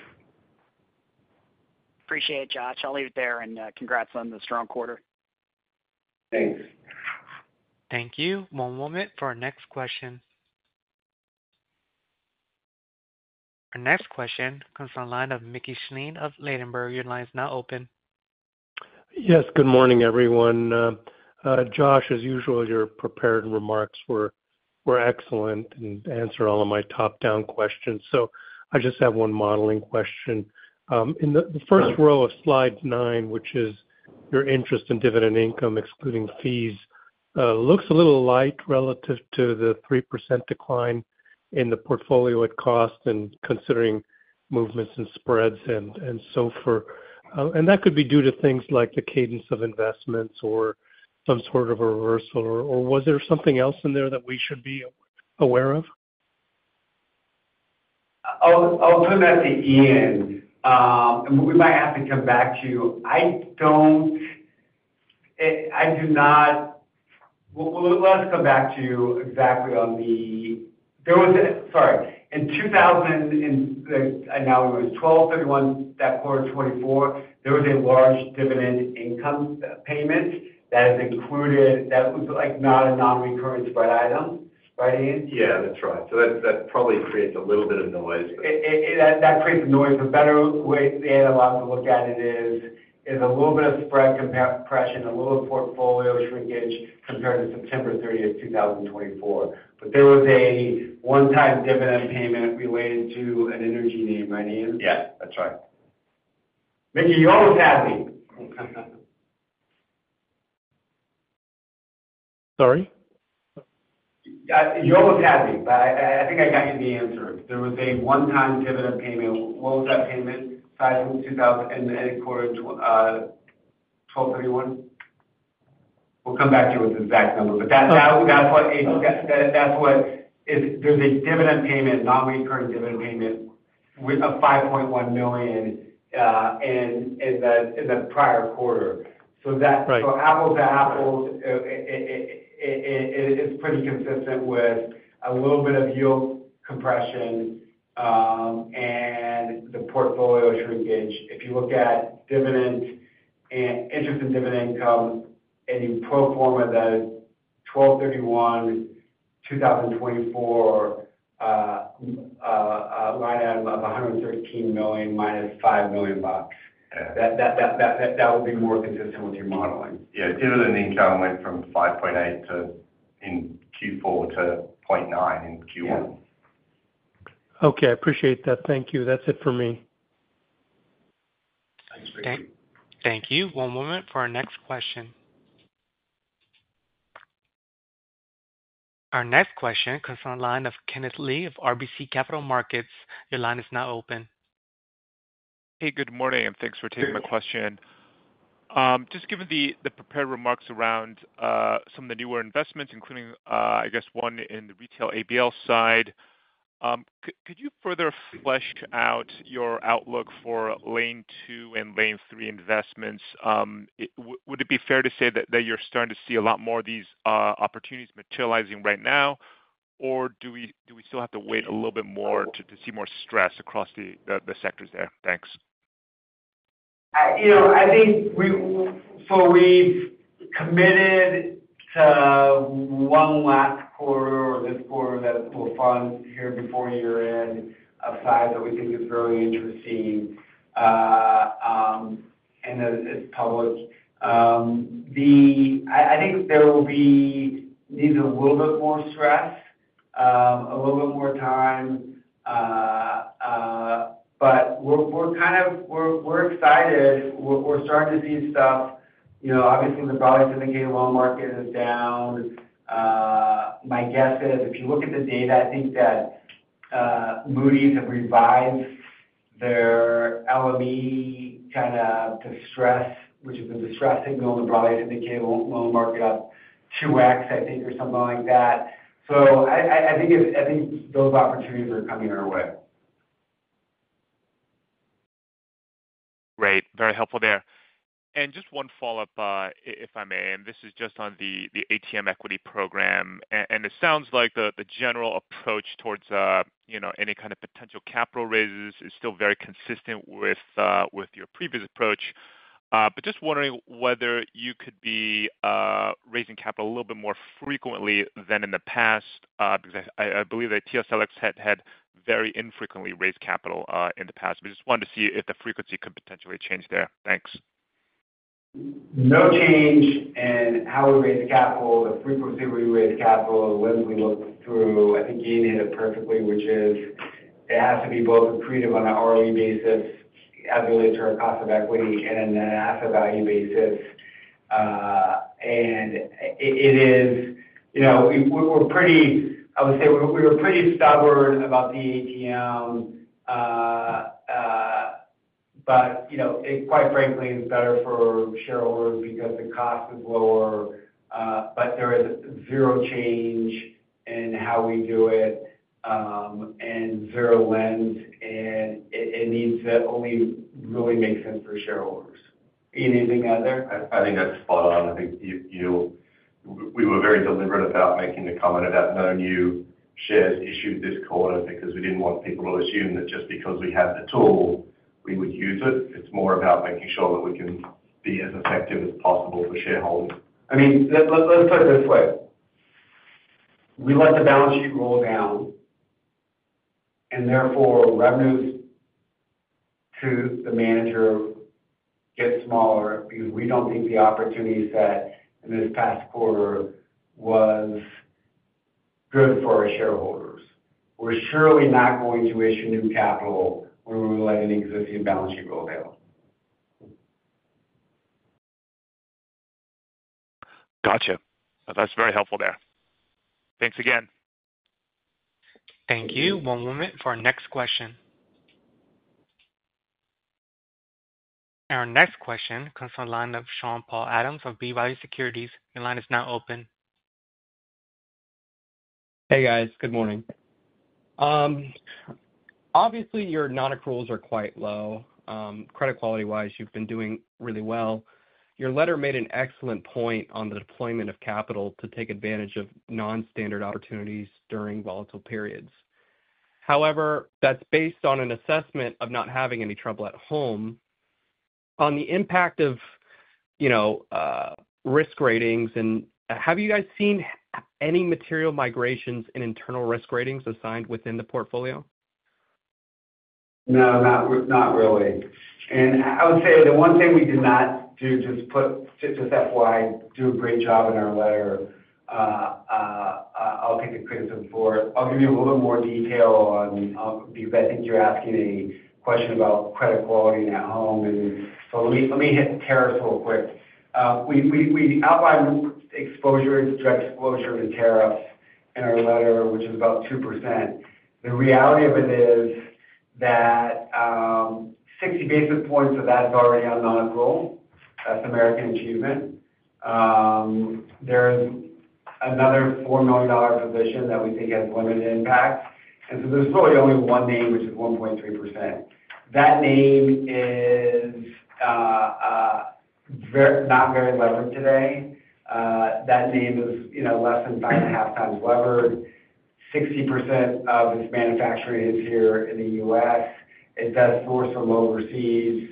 [SPEAKER 7] Appreciate it, Josh. I'll leave it there and congrats on the strong quarter. Thanks.
[SPEAKER 1] Thank you. One moment for our next question. Our next question comes from the line of Mickey Schleien of Ladenburg. Your line is now open.
[SPEAKER 8] Yes. Good morning, everyone. Josh, as usual, your prepared remarks were excellent and answered all of my top-down questions. I just have one modeling question. In the first row of slide nine, which is your interest and dividend income excluding fees, looks a little light relative to the 3% decline in the portfolio at cost and considering movements and spreads and so forth. That could be due to things like the cadence of investments or some sort of a reversal, or was there something else in there that we should be aware of?
[SPEAKER 3] I'll put that at the end, and we might have to come back to you. I do not, let us come back to you exactly on the, sorry. In 2000, and now it was 12/31, that quarter 2024, there was a large dividend income payment that was included that was not a non-recurring spread item. Right, Ian?
[SPEAKER 5] Yeah, that's right. That probably creates a little bit of noise.
[SPEAKER 3] That creates a noise. A better way for the analog to look at it is a little bit of spread compression, a little portfolio shrinkage compared to September 30, 2024. There was a one-time dividend payment related to an energy name, right, Ian?
[SPEAKER 5] Yeah, that's right.
[SPEAKER 3] Mickey, you almost had me.
[SPEAKER 8] Sorry?
[SPEAKER 3] You almost had me, but I think I got you the answer. There was a one-time dividend payment. What was that payment? Sizing in the quarter 12/31? We'll come back to you with the exact number, but there's a dividend payment, non-recurring dividend payment of $5.1 million in the prior quarter. Apples to apple, it's pretty consistent with a little bit of yield compression and the portfolio shrinkage. If you look at interest and dividend income and you pro forma that 12/31/2024 line item of $113 million -$5 million, that would be more consistent with your modeling. Yeah. Dividend income went from $5.8 million in Q4 to $0.9 million in Q1.
[SPEAKER 8] Okay. I appreciate that. Thank you. That's it for me.
[SPEAKER 1] Thank you. One moment for our next question. Our next question comes from the line of Kenneth Lee of RBC Capital Markets. Your line is now open.
[SPEAKER 9] Hey, good morning, and thanks for taking my question. Just given the prepared remarks around some of the newer investments, including, I guess, one in the retail ABL side, could you further flesh out your outlook for lane two and lane three investments? Would it be fair to say that you're starting to see a lot more of these opportunities materializing right now, or do we still have to wait a little bit more to see more stress across the sectors there? Thanks.
[SPEAKER 3] I think so. We've committed to one last quarter or this quarter that we'll fund here before year-end of size that we think is very interesting and is public. I think there will be needed a little bit more stress, a little bit more time, but we're excited. We're starting to see stuff. Obviously, the broader syndicated loan market is down. My guess is, if you look at the data, I think that Moody's have revised their LME kind of to stress, which is a distress signal, and the broader syndicated loan market up 2x, I think, or something like that. I think those opportunities are coming our way.
[SPEAKER 9] Great. Very helpful there. Just one follow-up, if I may, and this is just on the ATM equity program, and it sounds like the general approach towards any kind of potential capital raises is still very consistent with your previous approach. Just wondering whether you could be raising capital a little bit more frequently than in the past because I believe that TSLX had very infrequently raised capital in the past. We just wanted to see if the frequency could potentially change there. Thanks.
[SPEAKER 3] No change in how we raise capital, the frequency we raise capital, the lens we look through. I think Ian hit it perfectly, which is it has to be both accretive on an ROE basis as it relates to our cost of equity and an asset value basis. It is, we're pretty, I would say we were pretty stubborn about the ATM, but it quite frankly is better for shareholders because the cost is lower. There is zero change in how we do it and zero lens, and it needs to only really make sense for shareholders. Ian, anything out there?
[SPEAKER 5] I think that's spot on. I think we were very deliberate about making the comment about no new shares issued this quarter because we didn't want people to assume that just because we have the tool, we would use it. It's more about making sure that we can be as effective as possible for shareholders.
[SPEAKER 3] I mean, let's put it this way. We let the balance sheet roll down, and therefore revenues to the manager get smaller because we don't think the opportunity set in this past quarter was good for our shareholders. We're surely not going to issue new capital when we let an existing balance sheet roll down.
[SPEAKER 9] Gotcha. That's very helpful there. Thanks again.
[SPEAKER 1] Thank you. One moment for our next question. Our next question comes from the line of Sean-Paul Adams of B. Riley Securities. Your line is now open.
[SPEAKER 10] Hey, guys. Good morning. Obviously, your non-accruals are quite low. Credit quality-wise, you've been doing really well. Your letter made an excellent point on the deployment of capital to take advantage of non-standard opportunities during volatile periods. However, that's based on an assessment of not having any trouble at home. On the impact of risk ratings, have you guys seen any material migrations in internal risk ratings assigned within the portfolio?
[SPEAKER 3] No, not really. I would say the one thing we did not do, just FYI, do a great job in our letter. I'll take the criticism for it. I'll give you a little bit more detail because I think you're asking a question about credit quality and at home. Let me hit tariffs real quick. We outlined exposure, direct exposure to tariffs in our letter, which is about 2%. The reality of it is that 60 basis points of that is already on non-accrual. That's American Achievement. There is another $4 million position that we think has limited impact. There is really only one name, which is 1.3%. That name is not very levered today. That name is less than five and a half times levered. 60% of its manufacturing is here in the U.S. It does source from overseas.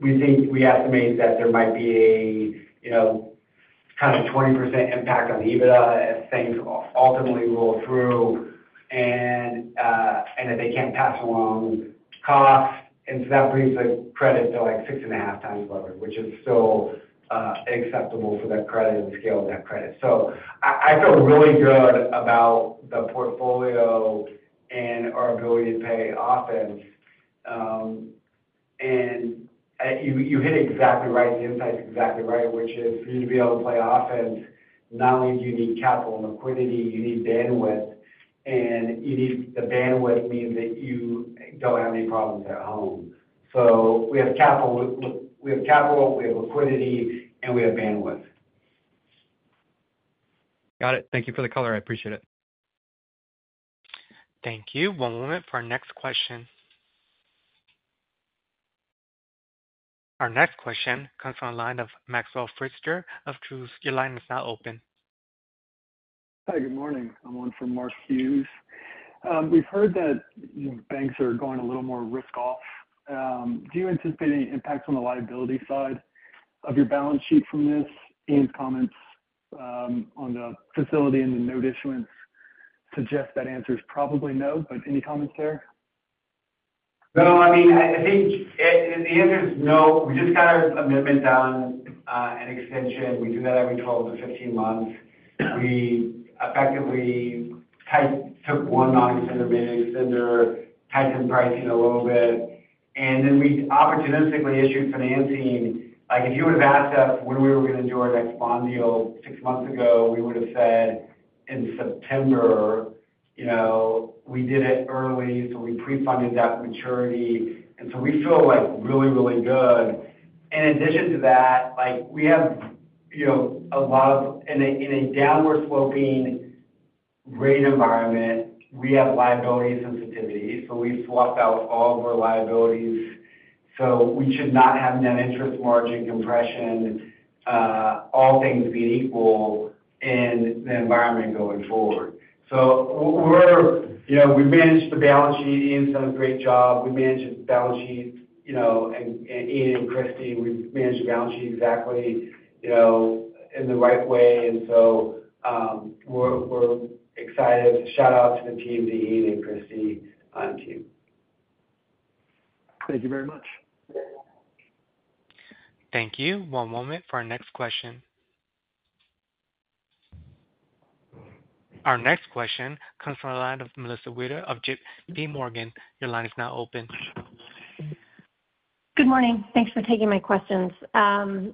[SPEAKER 3] We estimate that there might be a kind of 20% impact on EBITDA if things ultimately roll through and if they can't pass along costs. That brings the credit to like six and a half times levered, which is still acceptable for that credit and the scale of that credit. I feel really good about the portfolio and our ability to play offense. You hit it exactly right. The insight's exactly right, which is for you to be able to play offense, not only do you need capital and liquidity, you need bandwidth, and the bandwidth means that you don't have any problems at home. We have capital. We have capital. We have liquidity. And we have bandwidth.
[SPEAKER 10] Got it. Thank you for the color. I appreciate it.
[SPEAKER 1] Thank you. One moment for our next question. Our next question comes from the line of Maxwell Fritscher of Truist. Your line is now open.
[SPEAKER 11] Hi, good morning. I'm on from Mark Hughes. We've heard that banks are going a little more risk-off. Do you anticipate any impacts on the liability side of your balance sheet from this? Ian's comments on the facility and the note issuance suggest that answer is probably no, but any comments there?
[SPEAKER 3] No, I mean, I think the answer is no. We just got an amendment done and extension. We do that every 12-15 months. We effectively took one non-excited rate extender, tightened pricing a little bit, and then we opportunistically issued financing. If you would have asked us when we were going to do our next bond deal six months ago, we would have said in September. We did it early, so we pre-funded that maturity. We feel really, really good. In addition to that, we have a lot of, in a downward-sloping rate environment, we have liability sensitivity, so we swapped out all of our liabilities. We should not have net interest margin compression, all things being equal in the environment going forward. We managed the balance sheet. Ian's done a great job. We managed his balance sheet. Ian and Christy, we've managed the balance sheet exactly in the right way. We're excited. Shout out to the team, to Ian and Christy on team.
[SPEAKER 11] Thank you very much.
[SPEAKER 1] Thank you. One moment for our next question. Our next question comes from the line of Melissa Wedel of JPMorgan. Your line is now open.
[SPEAKER 12] Good morning. Thanks for taking my questions. I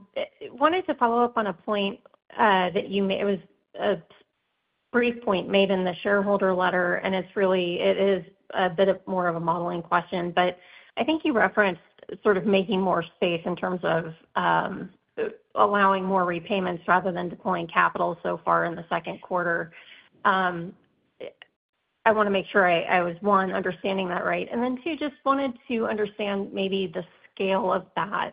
[SPEAKER 12] wanted to follow up on a point that you, it was a brief point made in the shareholder letter, and it's really a bit more of a modeling question, but I think you referenced sort of making more space in terms of allowing more repayments rather than deploying capital so far in the second quarter. I want to make sure I was, one, understanding that right, and then two, just wanted to understand maybe the scale of that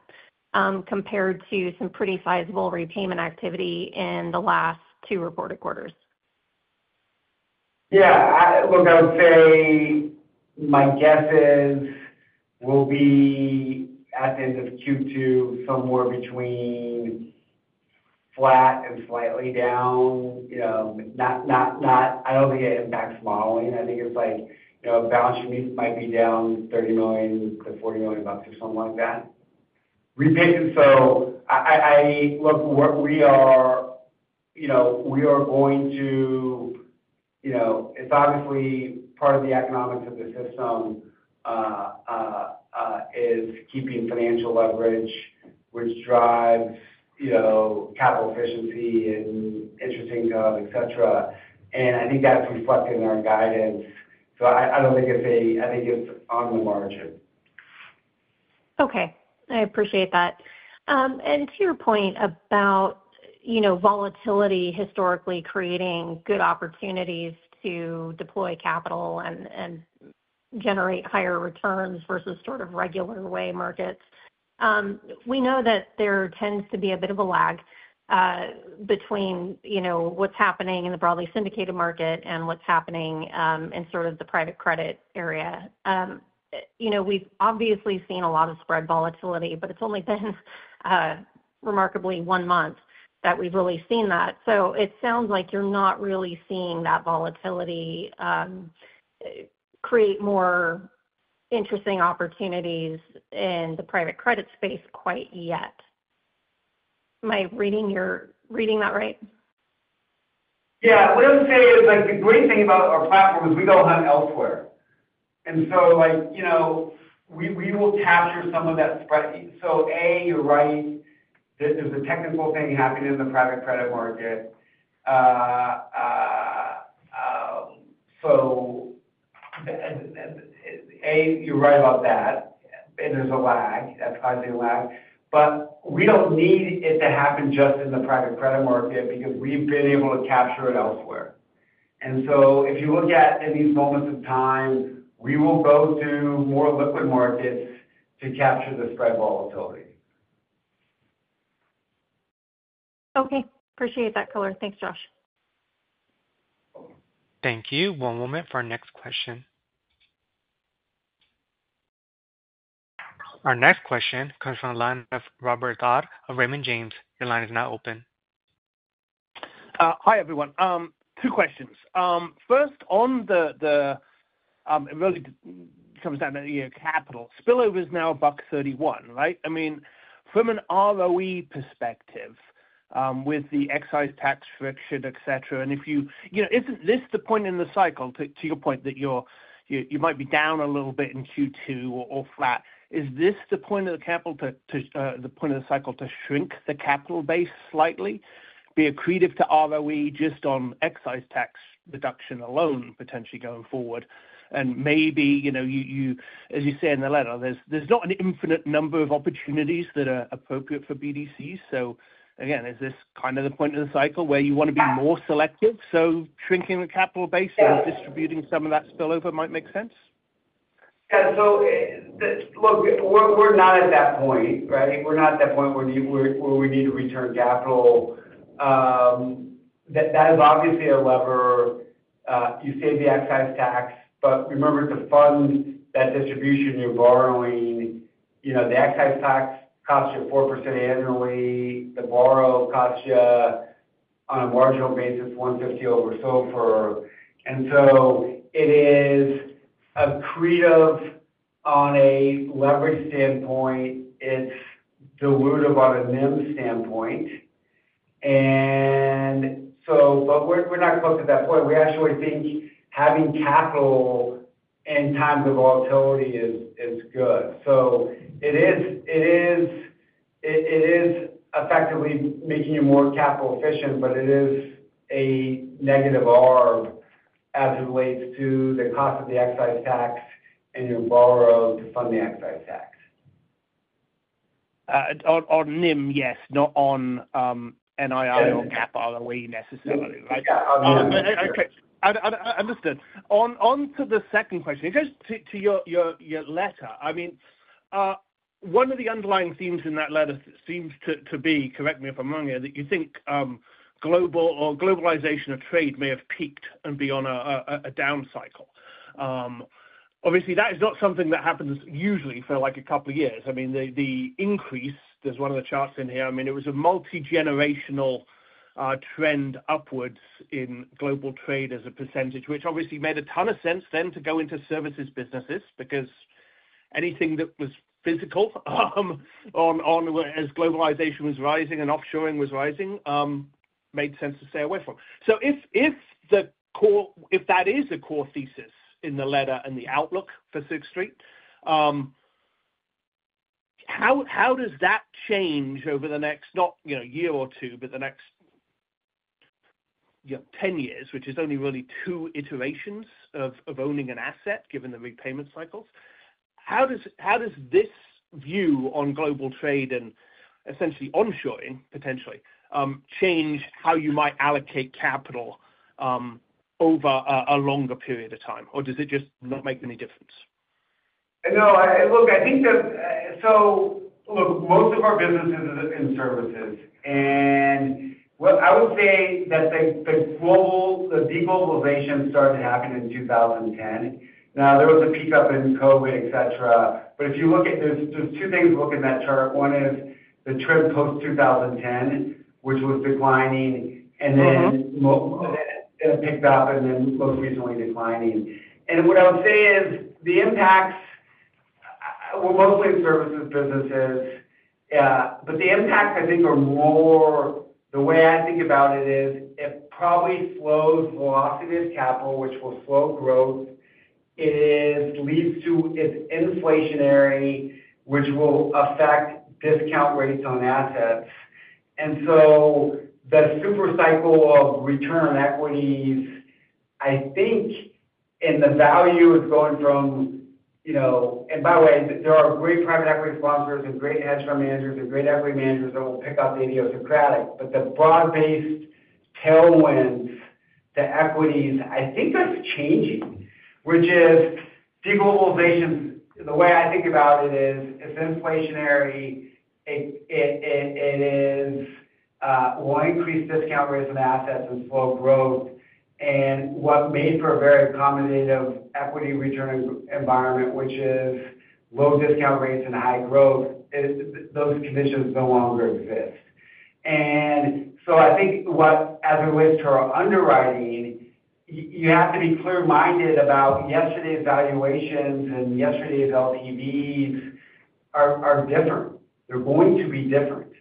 [SPEAKER 12] compared to some pretty sizable repayment activity in the last two reported quarters.
[SPEAKER 3] Yeah. Look, I would say my guess is we'll be at the end of Q2 somewhere between flat and slightly down. I don't think it impacts modeling. I think it's like balance sheet might be down $30 million-$40 million or something like that. Repayment, look, we are going to, it's obviously part of the economics of the system is keeping financial leverage, which drives capital efficiency and interest income, etc. I think that's reflected in our guidance. I don't think it's a, I think it's on the margin.
[SPEAKER 12] Okay. I appreciate that. To your point about volatility historically creating good opportunities to deploy capital and generate higher returns versus sort of regular way markets, we know that there tends to be a bit of a lag between what's happening in the broadly syndicated market and what's happening in sort of the private credit area. We've obviously seen a lot of spread volatility, but it's only been remarkably one month that we've really seen that. It sounds like you're not really seeing that volatility create more interesting opportunities in the private credit space quite yet. Am I reading that right?
[SPEAKER 3] Yeah. What I would say is the great thing about our platform is we go hunt elsewhere. We will capture some of that spread. A, you're right. There's a technical thing happening in the private credit market. A, you're right about that. There's a lag. That's causing a lag. We don't need it to happen just in the private credit market because we've been able to capture it elsewhere. If you look at in these moments of time, we will go to more liquid markets to capture the spread volatility.
[SPEAKER 12] Okay. Appreciate that color. Thanks, Josh.
[SPEAKER 1] Thank you. One moment for our next question. Our next question comes from the line of Robert Dodd of Raymond James. Your line is now open.
[SPEAKER 13] Hi, everyone. Two questions. First, on the it really comes down to capital. Spillover is now $1.31, right? I mean, from an ROE perspective with the excise tax friction, etc., and if you—isn't this the point in the cycle to your point that you might be down a little bit in Q2 or flat? Is this the point of the capital to the point of the cycle to shrink the capital base slightly, be accretive to ROE just on excise tax deduction alone potentially going forward? And maybe, as you say in the letter, there's not an infinite number of opportunities that are appropriate for BDCs. Again, is this kind of the point of the cycle where you want to be more selective? Shrinking the capital base and distributing some of that spillover might make sense?
[SPEAKER 3] Yeah. Look, we're not at that point, right? We're not at that point where we need to return capital. That is obviously a lever. You save the excise tax, but remember to fund that distribution you're borrowing. The excise tax costs you 4% annually. The borrow costs you, on a marginal basis, 150 over so far. It is accretive on a leverage standpoint. It is dilutive on a NIM standpoint. We are not close to that point. We actually think having capital in times of volatility is good. It is effectively making you more capital efficient, but it is a negative R as it relates to the cost of the excise tax and your borrow to fund the excise tax. On NIM, yes. Not on NII or capital ROE necessarily. Yeah. On NII.
[SPEAKER 13] Understood. Onto the second question. It goes to your letter. I mean, one of the underlying themes in that letter seems to be, correct me if I'm wrong here, that you think globalization of trade may have peaked and been on a down cycle. Obviously, that is not something that happens usually for a couple of years. I mean, the increase, there's one of the charts in here. I mean, it was a multi-generational trend upwards in global trade as a percentage, which obviously made a ton of sense then to go into services businesses because anything that was physical as globalization was rising and offshoring was rising made sense to stay away from. If that is the core thesis in the letter and the outlook for Sixth Street, how does that change over the next not year or two, but the next 10 years, which is only really two iterations of owning an asset given the repayment cycles? How does this view on global trade and essentially onshoring potentially change how you might allocate capital over a longer period of time, or does it just not make any difference?
[SPEAKER 3] No, look, I think that so look, most of our business is in services. I would say that the globalization started happening in 2010. There was a peak up in COVID, etc. If you look at there's two things to look at in that chart. One is the trend post-2010, which was declining, and then it picked up and then most recently declining. What I would say is the impacts were mostly in services businesses. The impacts, I think, are more the way I think about it is it probably slows velocity of capital, which will slow growth. It leads to it's inflationary, which will affect discount rates on assets. The super cycle of return on equities, I think, and the value is going from and by the way, there are great private equity sponsors and great hedge fund managers and great equity managers that will pick up the idiosyncratic. The broad-based tailwinds to equities, I think, are changing, which is deglobalization. The way I think about it is it's inflationary. It will increase discount rates on assets and slow growth. What made for a very accommodative equity return environment, which is low discount rates and high growth, those conditions no longer exist. I think as it relates to our underwriting, you have to be clear-minded about yesterday's valuations and yesterday's LTVs are different. They're going to be different.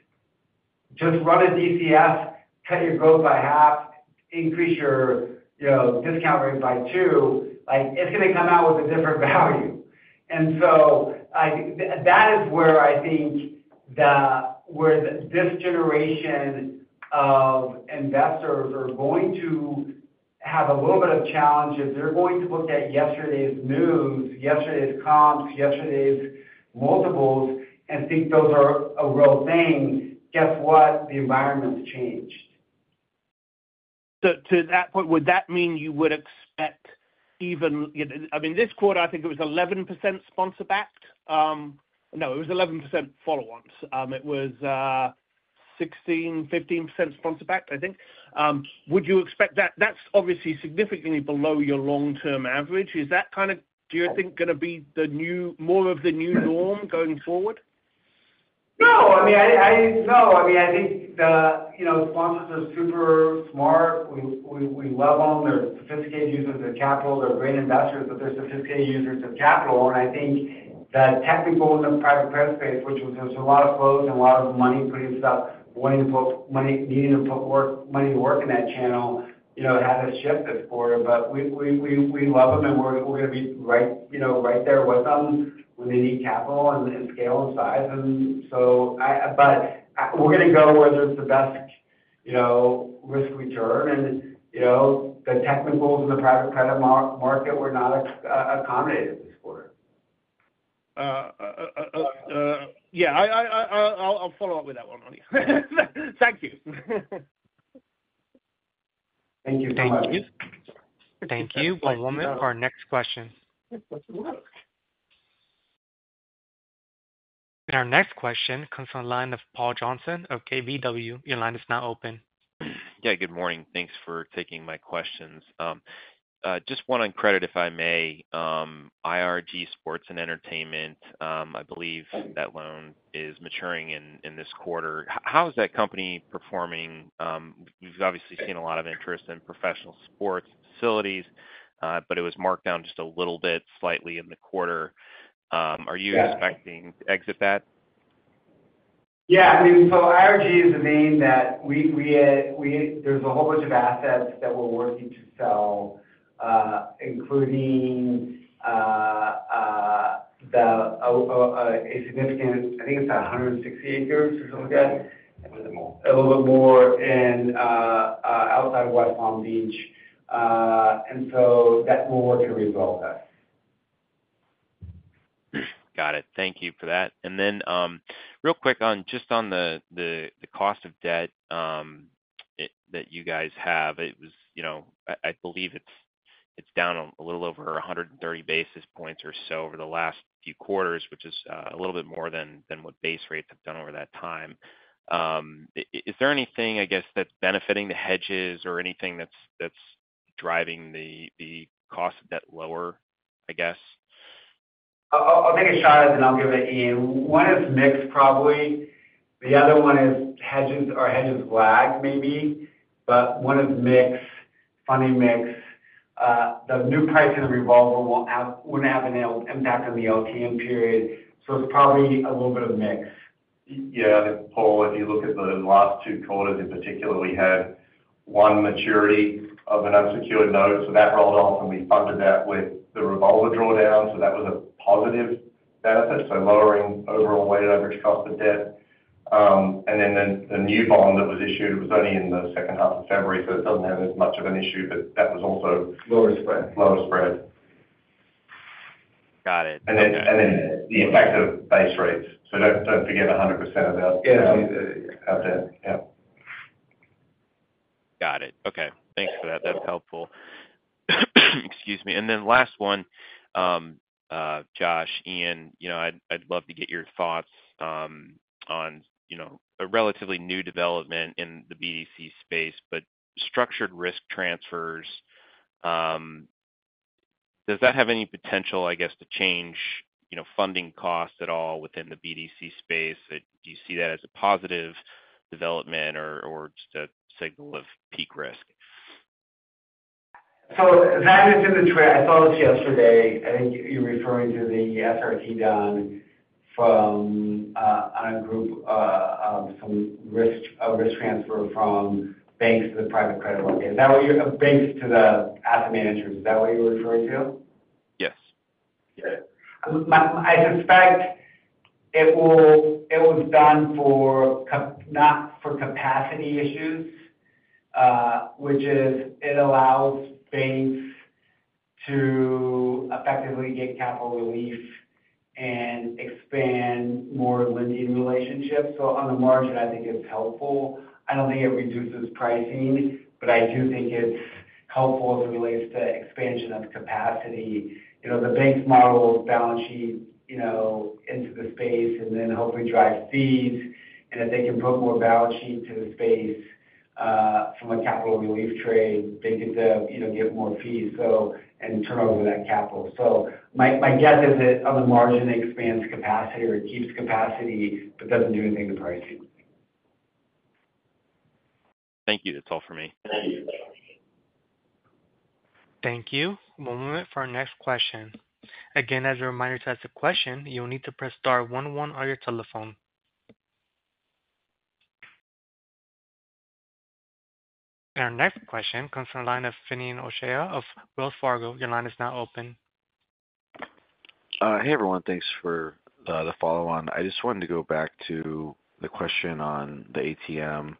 [SPEAKER 3] Just run a DCF, cut your growth by half, increase your discount rate by two. It's going to come out with a different value. That is where I think that where this generation of investors are going to have a little bit of challenge if they're going to look at yesterday's news, yesterday's comps, yesterday's multiples, and think those are a real thing. Guess what? The environment's changed.
[SPEAKER 13] To that point, would that mean you would expect even, I mean, this quarter, I think it was 11% sponsor-backed. No, it was 11% follow-ons. It was 16%-15% sponsor-backed, I think. Would you expect that? That's obviously significantly below your long-term average. Is that kind of, do you think, going to be more of the new norm going forward?
[SPEAKER 3] No. I mean, no. I mean, I think the sponsors are super smart. We love them. They're sophisticated users of capital. They're great investors, but they're sophisticated users of capital. I think that tech people in the private credit space, which there's a lot of flows and a lot of money putting stuff, wanting to put money, needing to put money to work in that channel, had a shift this quarter. We love them, and we're going to be right there with them when they need capital and scale and size. We're going to go where there's the best risk-return. The tech people in the private credit market were not accommodated this quarter.
[SPEAKER 13] Yeah. I'll follow up with that one, honey. Thank you. Thank you so much.
[SPEAKER 1] Thank you. One moment for our next question. Next question. Our next question comes from the line of Paul Johnson of KBW. Your line is now open.
[SPEAKER 14] Yeah. Good morning. Thanks for taking my questions. Just one on credit, if I may. IRG Sports + Entertainment, I believe that loan is maturing in this quarter. How is that company performing? We've obviously seen a lot of interest in professional sports facilities, but it was marked down just a little bit slightly in the quarter. Are you expecting to exit that?
[SPEAKER 3] Yeah. I mean, IRG is a name that we there's a whole bunch of assets that we're working to sell, including a significant I think it's 160 acres to look at. A little bit more. A little bit more and outside of West Palm Beach. That will work to resolve that.
[SPEAKER 14] Got it. Thank you for that. Real quick on just on the cost of debt that you guys have, it was I believe it's down a little over 130 basis points or so over the last few quarters, which is a little bit more than what base rates have done over that time. Is there anything, I guess, that's benefiting the hedges or anything that's driving the cost of debt lower, I guess?
[SPEAKER 3] I'll take a shot at it, and I'll give it to you. One is mix, probably. The other one is hedges are hedges lag, maybe. One is mix, funny mix. The new price and the revolver wouldn't have an impact on the LTM period. It's probably a little bit of mix.
[SPEAKER 5] Yeah. I think, Paul, if you look at the last two quarters in particular, we had one maturity of an unsecured note. That rolled off, and we funded that with the revolver drawdown. That was a positive benefit, lowering overall weighted average cost of debt. The new bond that was issued was only in the second half of February, so it does not have as much of an issue, but that was also lower spread. Lower spread.
[SPEAKER 14] Got it.
[SPEAKER 5] The effective base rates, do not forget 100% of that. Yeah.
[SPEAKER 14] Got it. Okay. Thanks for that. That is helpful. Excuse me. Last one, Josh, Ian, I would love to get your thoughts on a relatively new development in the BDC space, but structured risk transfers. Does that have any potential, I guess, to change funding costs at all within the BDC space? Do you see that as a positive development or just a signal of peak risk?
[SPEAKER 3] That is in the trade. I saw this yesterday. I think you're referring to the SRT done from a group of some risk transfer from banks to the private credit market. Is that what you're—banks to the asset managers? Is that what you're referring to?
[SPEAKER 14] Yes.
[SPEAKER 3] Got it. I suspect it was done not for capacity issues, which is it allows banks to effectively get capital relief and expand more lending relationships. On the margin, I think it's helpful. I don't think it reduces pricing, but I do think it's helpful as it relates to expansion of capacity. The bank's model is balance sheet into the space and then hopefully drive fees. If they can put more balance sheet to the space from a capital relief trade, they get to get more fees and turn over that capital. My guess is that on the margin, it expands capacity or it keeps capacity but does not do anything to pricing.
[SPEAKER 14] Thank you. That is all for me. Thank you.
[SPEAKER 1] Thank you. One moment for our next question. Again, as a reminder to ask the question, you will need to press star 11 on your telephone. Our next question comes from the line of Finian O'Shea of Wells Fargo. Your line is now open.
[SPEAKER 6] Hey, everyone. Thanks for the follow-on. I just wanted to go back to the question on the ATM.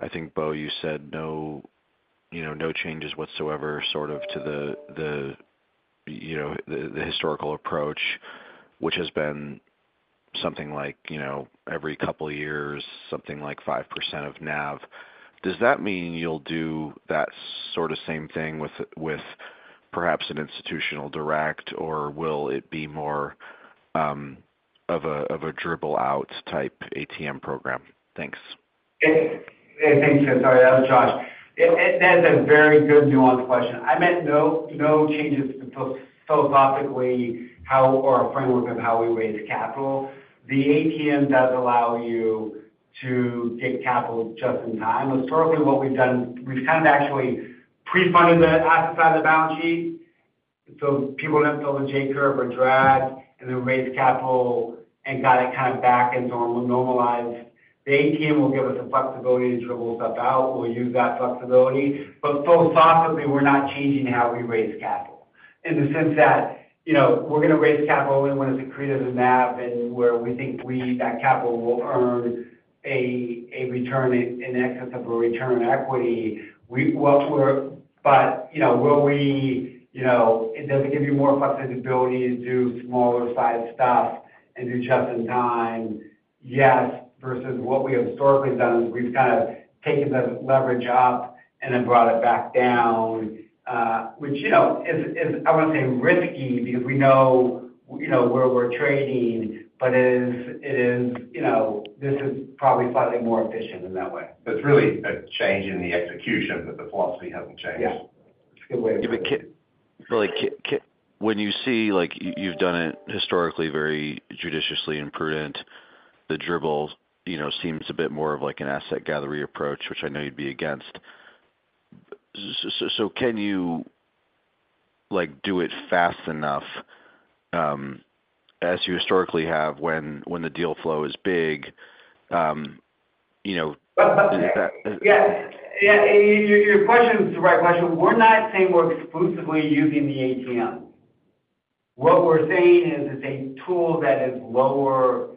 [SPEAKER 6] I think, Bo, you said no changes whatsoever sort of to the historical approach, which has been something like every couple of years, something like 5% of NAV. Does that mean you will do that sort of same thing with perhaps an institutional direct, or will it be more of a dribble-out type ATM program? Thanks.
[SPEAKER 3] Hey, thanks. [audio distortion] Sorry. That was Josh. That's a very good nuanced question. I meant no changes philosophically or a framework of how we raise capital. The ATM does allow you to get capital just in time. Historically, what we've done, we've kind of actually pre-funded the assets out of the balance sheet. So people didn't fill the J-curve or drag, and then raise capital and got it kind of back and normalized. The ATM will give us the flexibility to dribble stuff out. We'll use that flexibility. But philosophically, we're not changing how we raise capital in the sense that we're going to raise capital only when it's accretive to NAV and where we think that capital will earn a return in excess of a return on equity. But will we does it give you more flexibility to do smaller-sized stuff and do just in time? Yes. Versus what we have historically done is we've kind of taken the leverage up and then brought it back down, which I want to say is risky because we know where we're trading, but this is probably slightly more efficient in that way.
[SPEAKER 5] It is really a change in the execution, but the philosophy hasn't changed.
[SPEAKER 3] Yeah. It's a good way to put it.
[SPEAKER 6] Really, when you see you've done it historically very judiciously and prudent, the dribble seems a bit more of an asset gallery approach, which I know you'd be against. Can you do it fast enough as you historically have when the deal flow is big?
[SPEAKER 3] Yeah. Your question is the right question. We're not saying we're exclusively using the ATM. What we're saying is it's a tool that is lower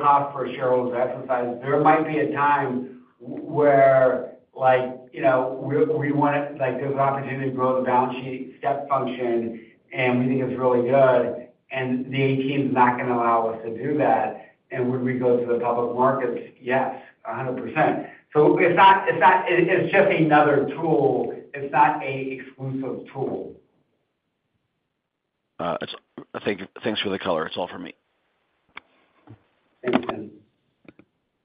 [SPEAKER 3] cost for shareholders to exercise. There might be a time where we want to, there's an opportunity to grow the balance sheet step function, and we think it's really good. The ATM is not going to allow us to do that. Would we go to the public markets? Yes, 100%. It is just another tool. It is not an exclusive tool.
[SPEAKER 6] Thanks for the color. That is all for me.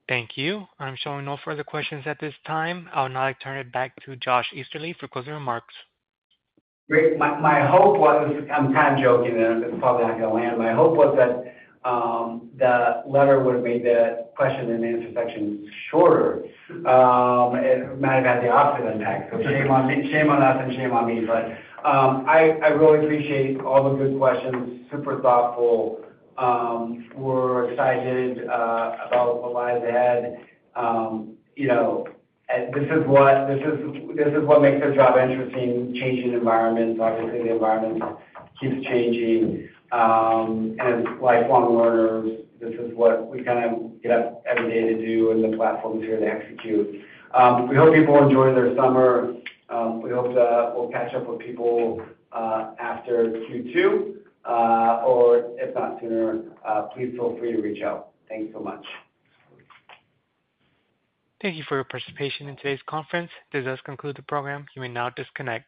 [SPEAKER 1] Thank you. I am showing no further questions at this time. I will now turn it back to Josh Easterly for closing remarks.
[SPEAKER 3] My hope was, I am kind of joking, and it is probably not going to land. My hope was that the letter would have made the question and answer sections shorter. It might have had the opposite impact. Shame on us and shame on me. I really appreciate all the good questions. Super thoughtful. We are excited about what lies ahead. This is what makes our job interesting. Changing environments. Obviously, the environment keeps changing. And as lifelong learners, this is what we kind of get up every day to do, and the platform is here to execute. We hope people enjoy their summer. We hope we'll catch up with people after Q2, or if not sooner, please feel free to reach out. Thanks so much.
[SPEAKER 1] Thank you for your participation in today's conference. This does conclude the program. You may now disconnect.